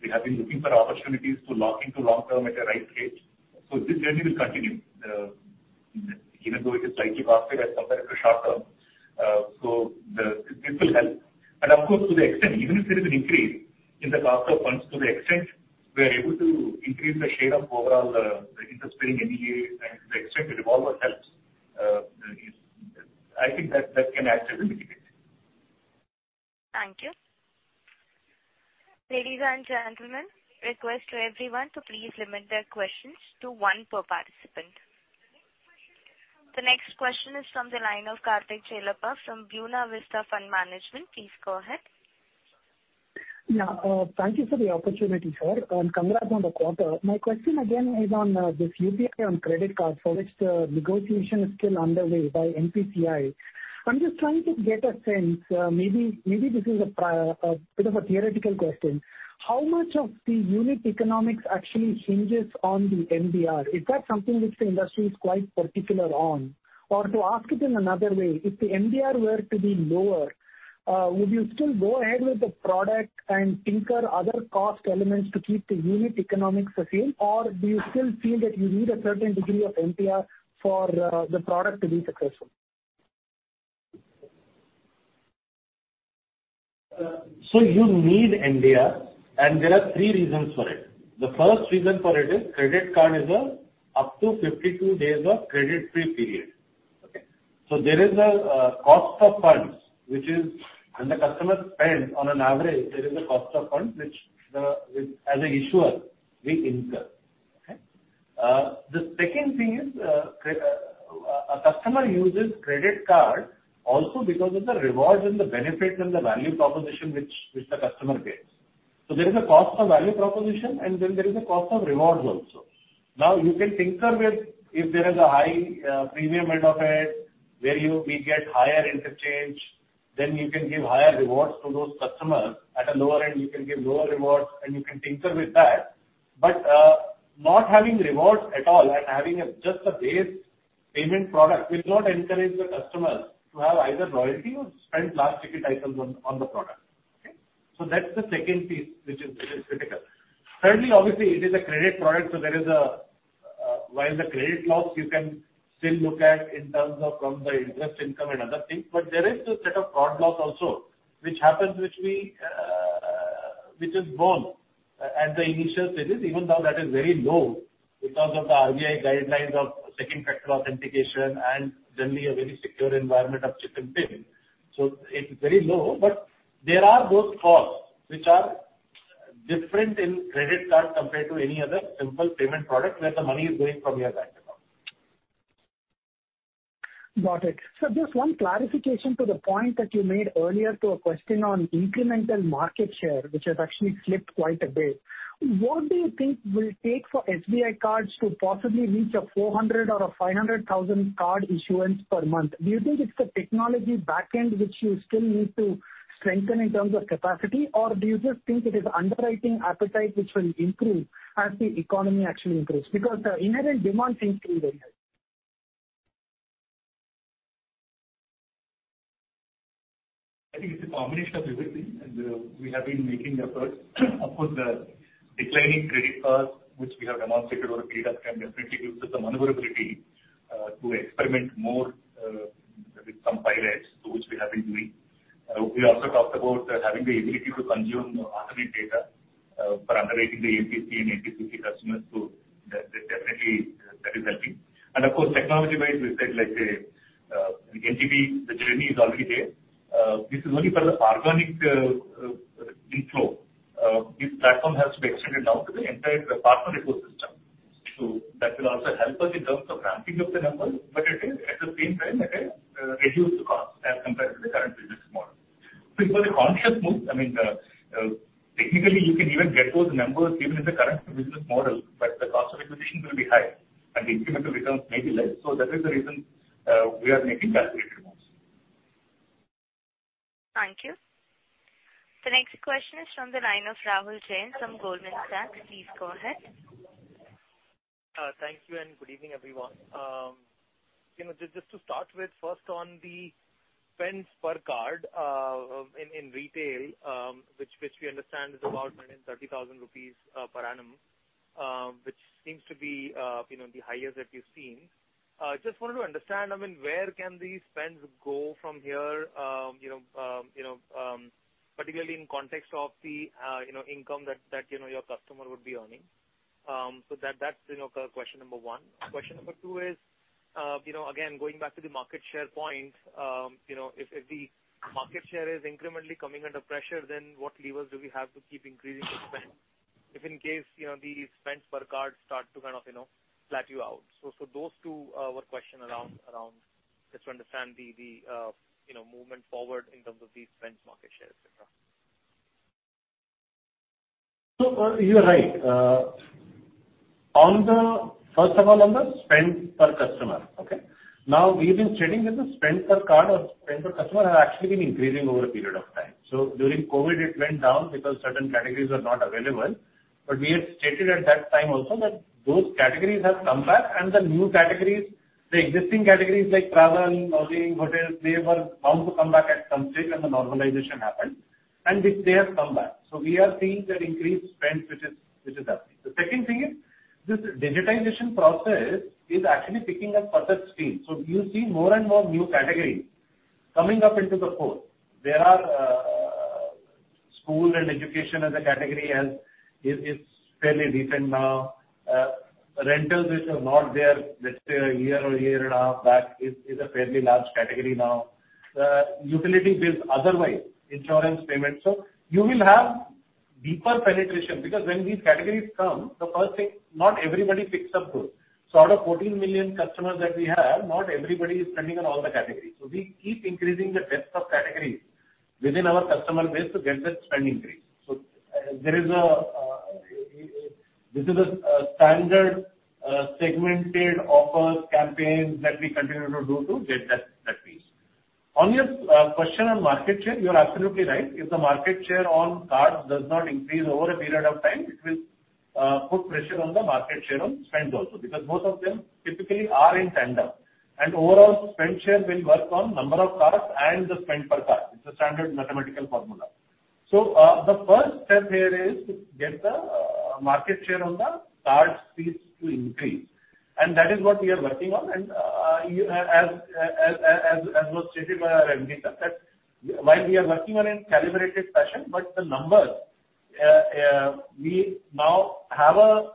We have been looking for opportunities to lock into long term at a right rate. This journey will continue. Even though it is slightly positive as compared to short term. This will help. Of course, to the extent, even if there is an increase in the cost of funds, to the extent we are able to increase the share of overall, the interest bearing NIA and to the extent the revolver helps, I think that can actually mitigate. Thank you. Ladies and gentlemen, request to everyone to please limit their questions to one per participant. The next question is from the line of Karthik Chellappa from Buena Vista Fund Management. Please go ahead. Yeah. Thank you for the opportunity, sir, and congrats on the quarter. My question again is on this UPI on credit card for which the negotiation is still underway by NPCI. I'm just trying to get a sense, maybe this is a bit of a theoretical question. How much of the unit economics actually hinges on the MDR? Is that something which the industry is quite particular on? Or to ask it in another way, if the MDR were to be lower, would you still go ahead with the product and tinker other cost elements to keep the unit economics the same? Or do you still feel that you need a certain degree of MDR for the product to be successful? You need MDR, and there are three reasons for it. The first reason for it is credit card is up to 52 days of credit-free period. There is a cost of funds which as an issuer we incur. The second thing is a customer uses credit card also because of the rewards and the benefits and the value proposition which the customer gets. There is a cost of value proposition, and then there is a cost of rewards also. Now, you can tinker with if there is a high premium end of it, where we get higher interchange, then you can give higher rewards to those customers. At a lower end, you can give lower rewards and you can tinker with that. Not having rewards at all and having just a base payment product will not encourage the customers to have either loyalty or spend large ticket items on the product. That's the second piece which is critical. Thirdly, obviously it is a credit product, so there is while the credit loss you can still look at in terms of from the interest income and other things. There is a set of fraud loss also which happens, which is borne at the initial stages, even though that is very low because of the RBI guidelines of second factor authentication and generally a very secure environment of chip and PIN. It's very low, but there are those costs which are different in credit card compared to any other simple payment product where the money is going from your bank account. Got it. Sir, just one clarification to the point that you made earlier to a question on incremental market share, which has actually slipped quite a bit. What do you think will it take for SBI Cards to possibly reach a 400 or a 500,000 card issuance per month? Do you think it's the technology back end which you still need to strengthen in terms of capacity? Or do you just think it is underwriting appetite which will improve as the economy actually improves? Because the inherent demand seems to be very high. I think it's a combination of everything, and we have been making efforts. Of course, the declining credit cards which we have demonstrated over a period of time definitely gives us some maneuverability to experiment more with some pilots, which we have been doing. We also talked about having the ability to consume alternate data for underwriting the NTC and NTB customers. That definitely is helping. Of course, technology wise, we said like, STP, the journey is already there. This is only for the organic inflow. This platform has to be extended now to the entire partner ecosystem. That will also help us in terms of ramping up the numbers, but it will at the same time reduce the cost as compared to the current business model. It was a conscious move. I mean, technically, you can even get those numbers even in the current business model, but the cost of acquisition will be high. Incremental returns may be less, so that is the reason we are making calculated moves. Thank you. The next question is from the line of Rahul Jain from Goldman Sachs. Please go ahead. Thank you, and good evening, everyone. You know, just to start with, first on the spends per card in retail, which we understand is about 130,000 rupees per annum, which seems to be, you know, the highest that we've seen. Just wanted to understand, I mean, where can these spends go from here? You know, particularly in context of the, you know, income that your customer would be earning. So that’s, you know, question number one. Question number two is, you know, again, going back to the market share point, you know, if the market share is incrementally coming under pressure, then what levers do we have to keep increasing the spend? If in case, you know, the spends per card start to kind of, you know, flatten out. Those two were questions around just to understand the you know movement forward in terms of the spends market share, et cetera. You're right. First of all, on the spend per customer, okay? Now, we've been stating that the spend per card or spend per customer has actually been increasing over a period of time. During COVID, it went down because certain categories were not available. We had stated at that time also that those categories have come back and the new categories, the existing categories like travel, lodging, hotels, they were bound to come back at some stage when the normalization happened, and which they have come back. We are seeing that increased spend which is happening. The second thing is this digitization process is actually picking up further speed. You'll see more and more new categories coming up into the forefront. There are school and education as a category, health is fairly deep in now. Rentals which were not there, let's say a year-or-a-year and a half back, is a fairly large category now. Utility bills, otherwise insurance payments. You will have deeper penetration because when these categories come, the first thing, not everybody picks up those. Out of 14 million customers that we have, not everybody is spending on all the categories. We keep increasing the depth of categories within our customer base to get that spend increase. There is a standard segmented offers campaign that we continue to do to get that piece. On your question on market share, you're absolutely right. If the market share on cards does not increase over a period of time, it will put pressure on the market share on spends also, because both of them typically are in tandem. Overall spend share will work on number of cards and the spend per card. It's a standard mathematical formula. The first step here is to get the market share on the card fees to increase. That is what we are working on. You know, as was stated by Rama Mohan Rao Amara that while we are working on in calibrated fashion, but the numbers, we now have a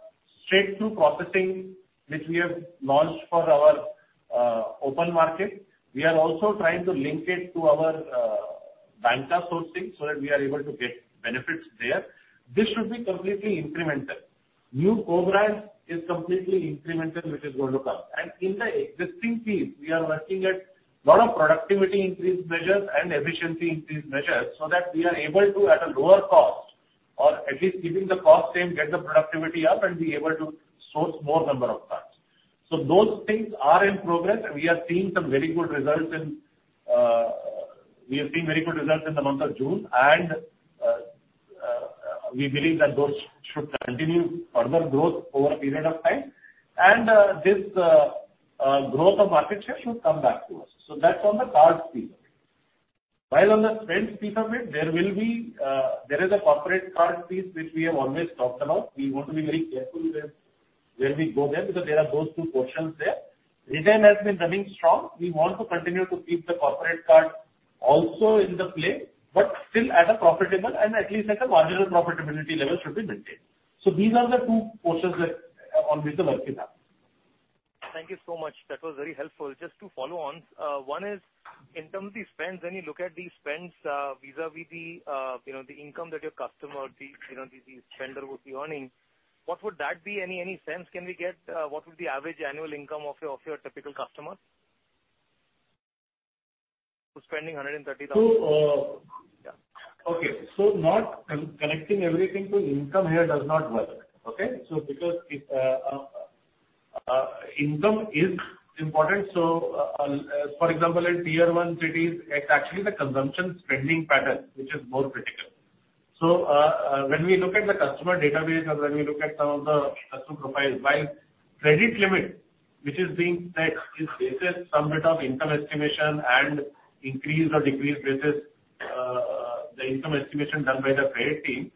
straight-through processing which we have launched for our open market. We are also trying to link it to our banker sourcing so that we are able to get benefits there. This should be completely incremental. New program is completely incremental, which is going to come. In the existing fees, we are working on a lot of productivity increase measures and efficiency increase measures so that we are able to, at a lower cost or at least keeping the cost same, get the productivity up and be able to source more number of cards. Those things are in progress, and we have seen some very good results in the month of June. We believe that those should continue further growth over a period of time. This growth of market share should come back to us. That's on the cards piece. While on the spend piece of it, there is a corporate card piece which we have always talked about. We want to be very careful with where we go there because there are those two portions there. Retail has been running strong. We want to continue to keep the corporate card also in the play, but still at a profitable and at least at a marginal profitability level should be maintained. These are the two portions that, on which the working happens. Thank you so much. That was very helpful. Just to follow on, one is in terms of the spends, when you look at these spends, vis-a-vis the, you know, the income that your customer or the, you know, the spender would be earning, what would that be? Any sense can we get, what would the average annual income of your typical customer? Who's spending 130,000. So, uh- Yeah. Okay. Not connecting everything to income here does not work, okay? Because if income is important, for example, in Tier 1 cities, it's actually the consumption spending pattern which is more critical. When we look at the customer database or when we look at some of the customer profiles, while credit limit which is being set is based on some bit of income estimation and increase or decrease basis, the income estimation done by the credit team,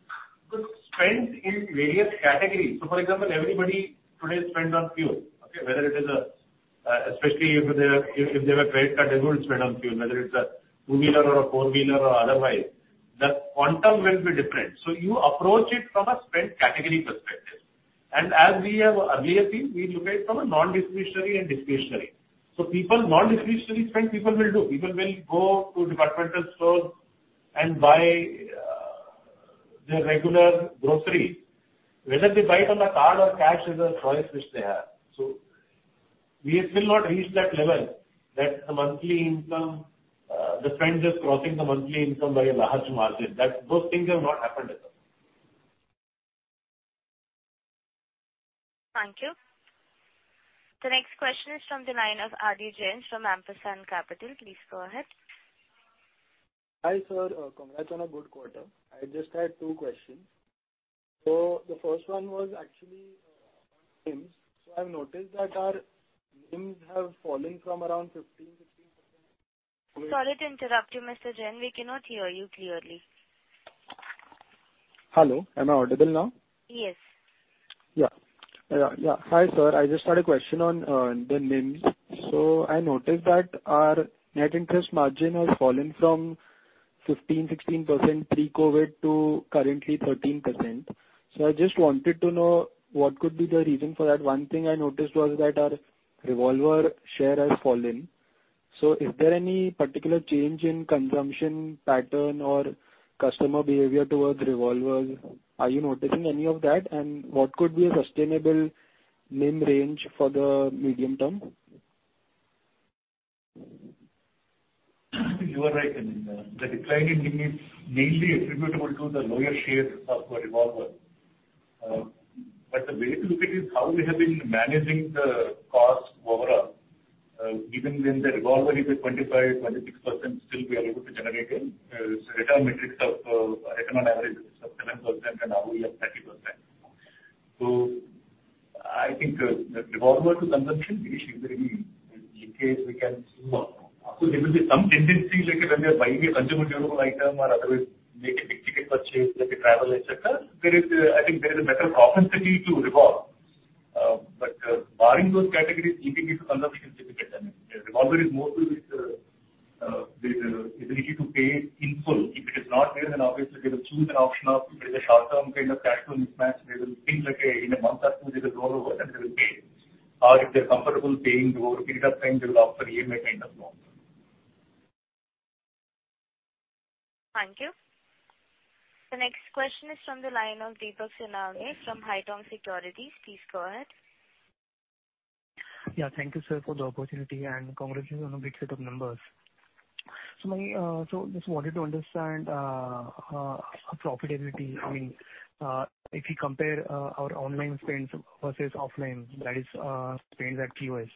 but spends in various categories. For example, everybody today spend on fuel, okay? Whether it is especially if they have a credit card, they will spend on fuel, whether it's a two-wheeler or a four-wheeler or otherwise. The quantum will be different. You approach it from a spend category perspective. As we have earlier seen, we look at it from a non-discretionary and discretionary. People, non-discretionary spend, people will do. People will go to departmental stores and buy their regular groceries. Whether they buy it on a card or cash is a choice which they have. We have still not reached that level that the monthly income, the spend is crossing the monthly income by a large margin. That those things have not happened as of now. Thank you. The next question is from the line of Adi Jain from Ampersand Capital. Please go ahead. Hi, sir. Congrats on a good quarter. I just had two questions. The first one was actually on NIMS. I've noticed that our NIMS have fallen from around 15%-16%. Sorry to interrupt you, Mr. Jain. We cannot hear you clearly. Hello, am I audible now? Yes. Yeah. Hi, sir, I just had a question on the NIM. I noticed that our net interest margin has fallen from 15%-16% pre-COVID to currently 13%. I just wanted to know what could be the reason for that. One thing I noticed was that our revolver share has fallen. Is there any particular change in consumption pattern or customer behavior towards revolvers? Are you noticing any of that? What could be a sustainable NIM range for the medium term? You are right. I mean, the decline in NIM is mainly attributable to the lower share of the revolver. But the way to look at it is how we have been managing the costs overall. Even when the revolver is at 25%-26%, still we are able to generate a return metrics of return on average of 7% and ROE of 30%. I think the revolver to consumption is a very linkage we can see now. Of course, there will be some tendency like when they are buying a consumable item or otherwise make a big-ticket purchase like a travel, et cetera. There is, I think there is a better propensity to revolve. But barring those categories, keeping it to consumption is a better term. Revolver is more to do with the need to pay in full. If it is not there, then obviously they will choose an option of if it is a short-term kind of cash flow mismatch, they will think like in a month or two, they will roll over and they will pay. Or if they're comfortable paying over a period of time, they will opt for EMI kind of loan. Thank you. The next question is from the line of Deepak Sinha from Haitong Securities. Please go ahead. Yeah. Thank you, sir, for the opportunity, and congratulations on a great set of numbers. Just wanted to understand profitability. I mean, if we compare our online spends versus offline, that is, spends at POS.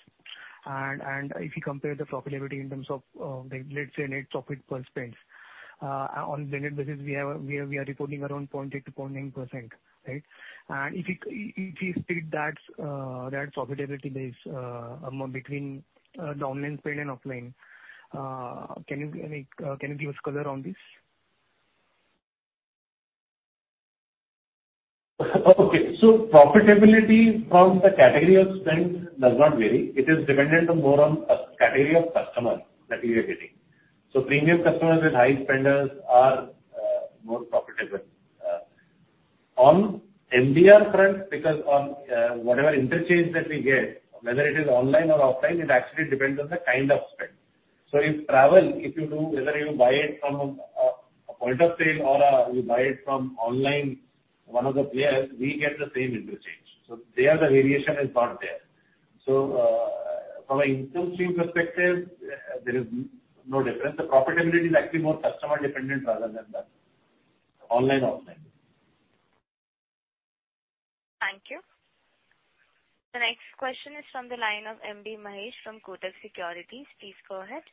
If you compare the profitability in terms of, like, let's say, net profit per spends. On blended basis, we are reporting around 0.8%-0.9%, right? If you split that profitability base between the online spend and offline, can you give us color on this? Okay. Profitability from the category of spend does not vary. It is dependent on more on category of customer that you are getting. Premium customers with high spenders are more profitable. On MDR front, because on whatever interchange that we get, whether it is online or offline, it actually depends on the kind of spend. If travel, if you do, whether you buy it from a point-of-sale or you buy it from online, one of the players, we get the same interchange. There the variation is not there. From an income stream perspective, there is no difference. The profitability is actually more customer dependent rather than the online, offline. Thank you. The next question is from the line of M. B. Mahesh from Kotak Securities. Please go ahead.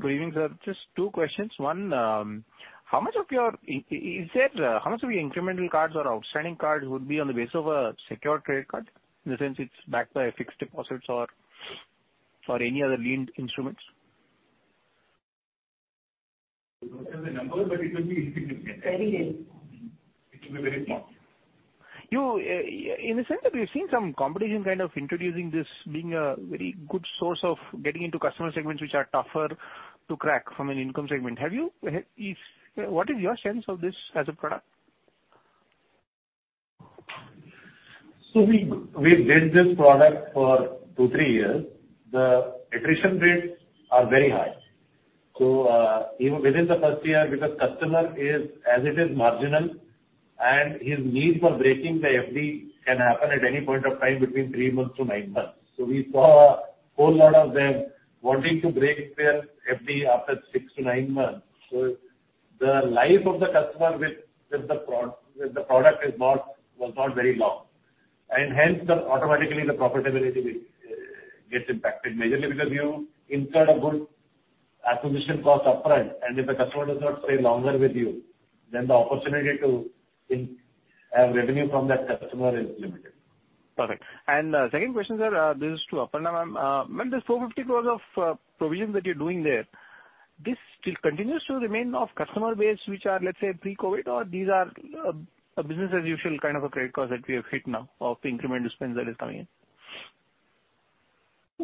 Good evening, sir. Just two questions. One, how much of your incremental cards or outstanding cards would be on the base of a secured credit card? In the sense it's backed by fixed deposits or any other liened instruments. We don't have the number, but it will be insignificant. Very little. It will be very small. In the sense that we've seen some competition kind of introducing this being a very good source of getting into customer segments which are tougher to crack from an income segment. What is your sense of this as a product? We've built this product for two to three years. The attrition rates are very high. Even within the first year, because customer is, as it is, marginal and his need for breaking the FD can happen at any point of time between three to nine months. We saw a whole lot of them wanting to break their FD after six to nine months. The life of the customer with the product was not very long. Hence, automatically, the profitability gets impacted majorly because you incur a good acquisition cost upfront and if a customer does not stay longer with you, then the opportunity to have revenue from that customer is limited. Perfect. Second question, sir, this is to Aparna ma'am. Ma'am, this 450 crores of provision that you're doing there, this still continues to remain of customer base which are, let's say, pre-COVID or these are a business as usual kind of a credit cost that we have hit now of the incremental spends that is coming in?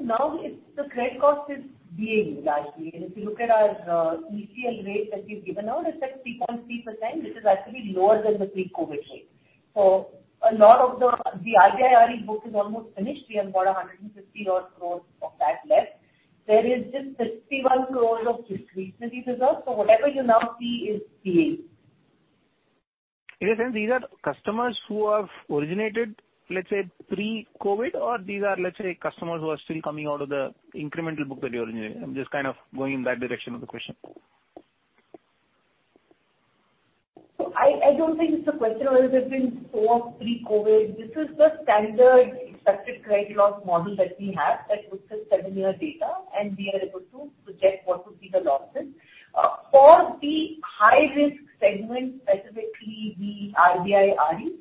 Now, the credit cost is being largely, and if you look at our ECL rate that we've given out, it's at 3.3%, which is actually lower than the pre-COVID rate. A lot of the IRAC book is almost finished. We have got 150-odd crore of that left. There is just 61 crore of discretionary provisions. Whatever you now see is PA. Okay. These are customers who have originated, let's say, pre-COVID or these are, let's say, customers who are still coming out of the incremental book that you originated. I'm just kind of going in that direction of the question. I don't think it's a question of it has been four pre-COVID. This is the standard expected credit loss model that we have that looks at similar data, and we are able to project what would be the losses. For the high-risk segment, specifically the RBI RE,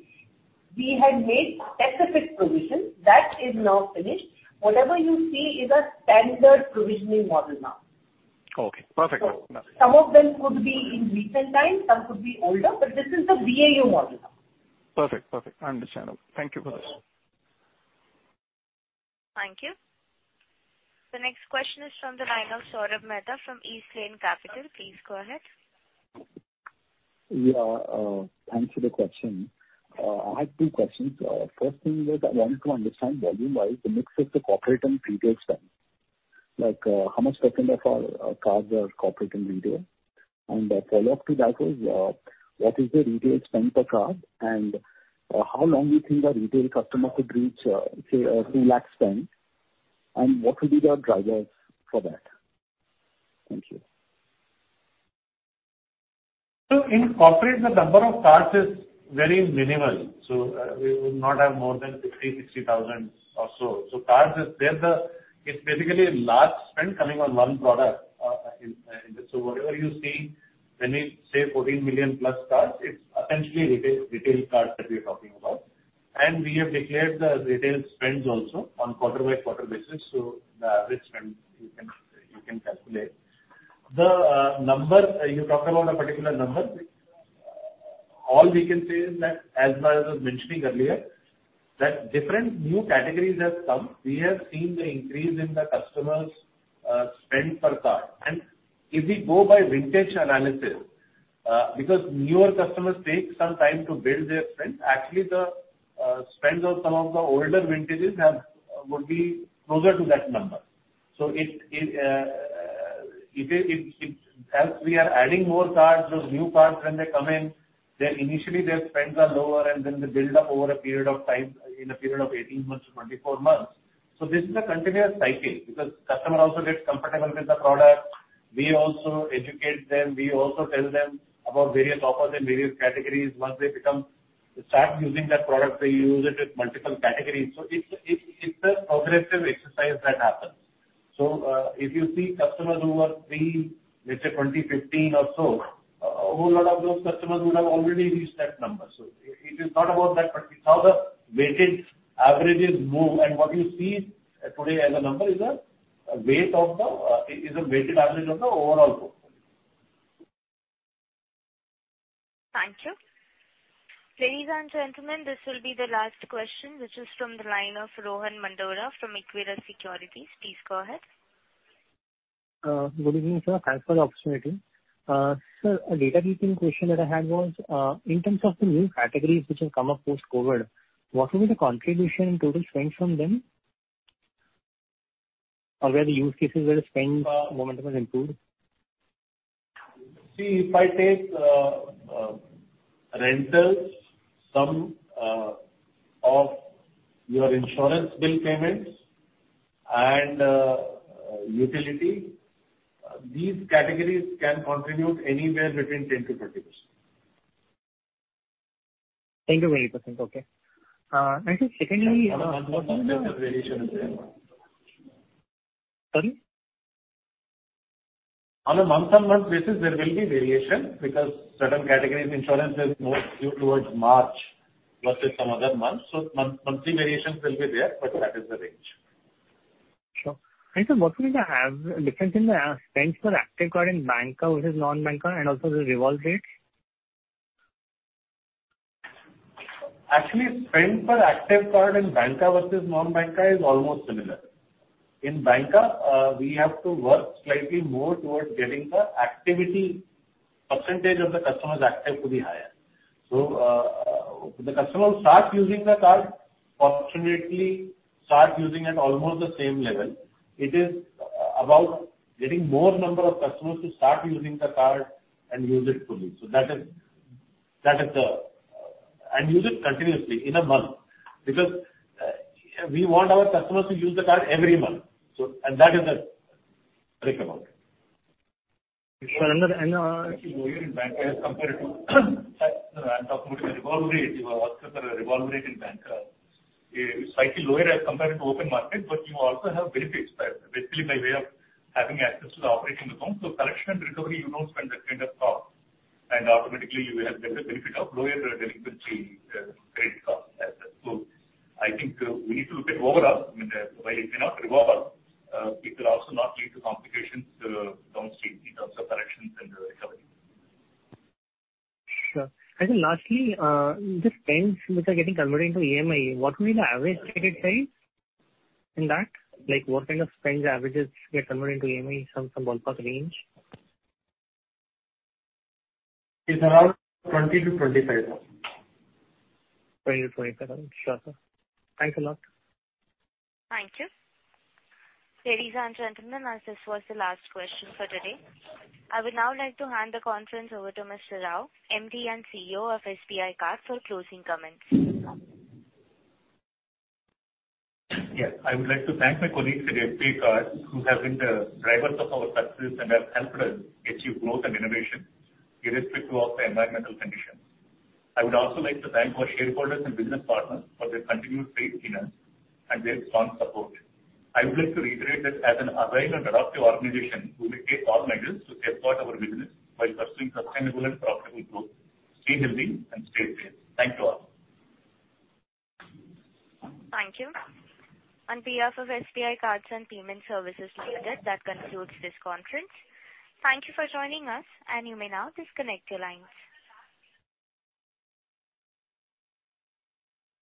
we had made specific provisions. That is now finished. Whatever you see is a standard provisioning model now. Okay, perfect. Some of them could be in recent times, some could be older, but this is the BAU model now. Perfect. Understandable. Thank you for this. Thank you. The next question is from the line of Saurabh Mehta from East Lane Capital. Please go ahead. Yeah, thanks for the question. I have two questions. First thing is I wanted to understand volume-wise the mix of the corporate and retail spend. Like, how much percent of our cards are corporate and retail? And a follow-up to that is, what is the retail spend per card, and, how long you think a retail customer could reach, say, an 2 lakh spend, and what will be the drivers for that? Thank you. In corporate, the number of cards is very minimal. We would not have more than 50 thousand-60 thousand or so. It's basically a large spend coming on one product. Whatever you see when we say 14 million-plus cards, it's essentially retail cards that we're talking about. We have declared the retail spends also on quarter-by-quarter basis. The average spend you can calculate. The number you talk about a particular number. All we can say is that, as I was mentioning earlier, that different new categories have come. We have seen the increase in the customers' spend per card. If we go by vintage analysis, because newer customers take some time to build their spend, actually the spends of some of the older vintages would be closer to that number. So it is, as we are adding more cards or new cards when they come in, initially, their spends are lower, and then they build up over a period of 18 months to 24 months. So this is a continuous cycle because customer also gets comfortable with the product. We also educate them. We also tell them about various offers in various categories. Once they start using that product, they use it with multiple categories. So it's a progressive exercise that happens. If you see customers who are pre-2015 or so, a whole lot of those customers would have already reached that number. It is not about that, but it's how the weighted averages move. What you see today as a number is a weighted average of the overall portfolio. Thank you. Ladies and gentlemen, this will be the last question, which is from the line of Rohan Mandora from Equirus Securities. Please go ahead. Good evening, sir. Thanks for the opportunity. Sir, a housekeeping question that I had was, in terms of the new categories which have come up post-COVID, what will be the contribution in total spend from them? Or what are the use cases where the spend momentum has improved? See, if I take rentals, some of your insurance bill payments and utility, these categories can contribute anywhere between 10%-30%. 10%-30%. Okay. Sir, secondly, what. On a month-over-month variation is there. Sorry? On a month-on-month basis, there will be variation because certain categories, insurance, is more due towards March versus some other months. Monthly variations will be there, but that is the range. Sure. Sir, what will be the average difference in the spend per active card in banca versus non-banca and also the revolve rate? Actually, spend per active card in banca versus non-banca is almost similar. In banca, we have to work slightly more towards getting the activity percentage of the customers active to be higher. The customer will start using the card, fortunately start using at almost the same level. It is about getting more number of customers to start using the card and use it fully. That is and use it continuously in a month. Because we want our customers to use the card every month, and that is the critical part. Sir, Actually lower in banca as compared to. No, I'm talking about the revolve rate. You were asking for the revolve rate in banca. It is slightly lower as compared to open market, but you also have benefits there. Basically by way of having access to the operating account. Collection and recovery, you don't spend that kind of cost, and automatically you will have better benefit of lower delinquency, credit cost as well. I think, we need to look at overall. I mean, while it may not revolve, it will also not lead to complications, downstream in terms of collections and recovery. Sure. Lastly, the spends which are getting converted into EMI, what will be the average ticket size in that? Like, what kind of spends averages get converted into EMI, some ballpark range? It's around 20 thousand-25 thousand. 20 thousand -25 thousand. Sure, sir. Thanks a lot. Thank you. Ladies and gentlemen, as this was the last question for today, I would now like to hand the conference over to Mr. Rao, MD and CEO of SBI Card, for closing comments. Yes. I would like to thank my colleagues at SBI Card who have been the drivers of our success and have helped us achieve growth and innovation irrespective of the environmental conditions. I would also like to thank our shareholders and business partners for their continuous faith in us and their strong support. I would like to reiterate that as an agile and adaptive organization, we will take all measures to safeguard our business while pursuing sustainable and profitable growth. Stay healthy and stay safe. Thanks to all. Thank you. On behalf of SBI Cards and Payment Services Limited, that concludes this conference. Thank you for joining us, and you may now disconnect your lines.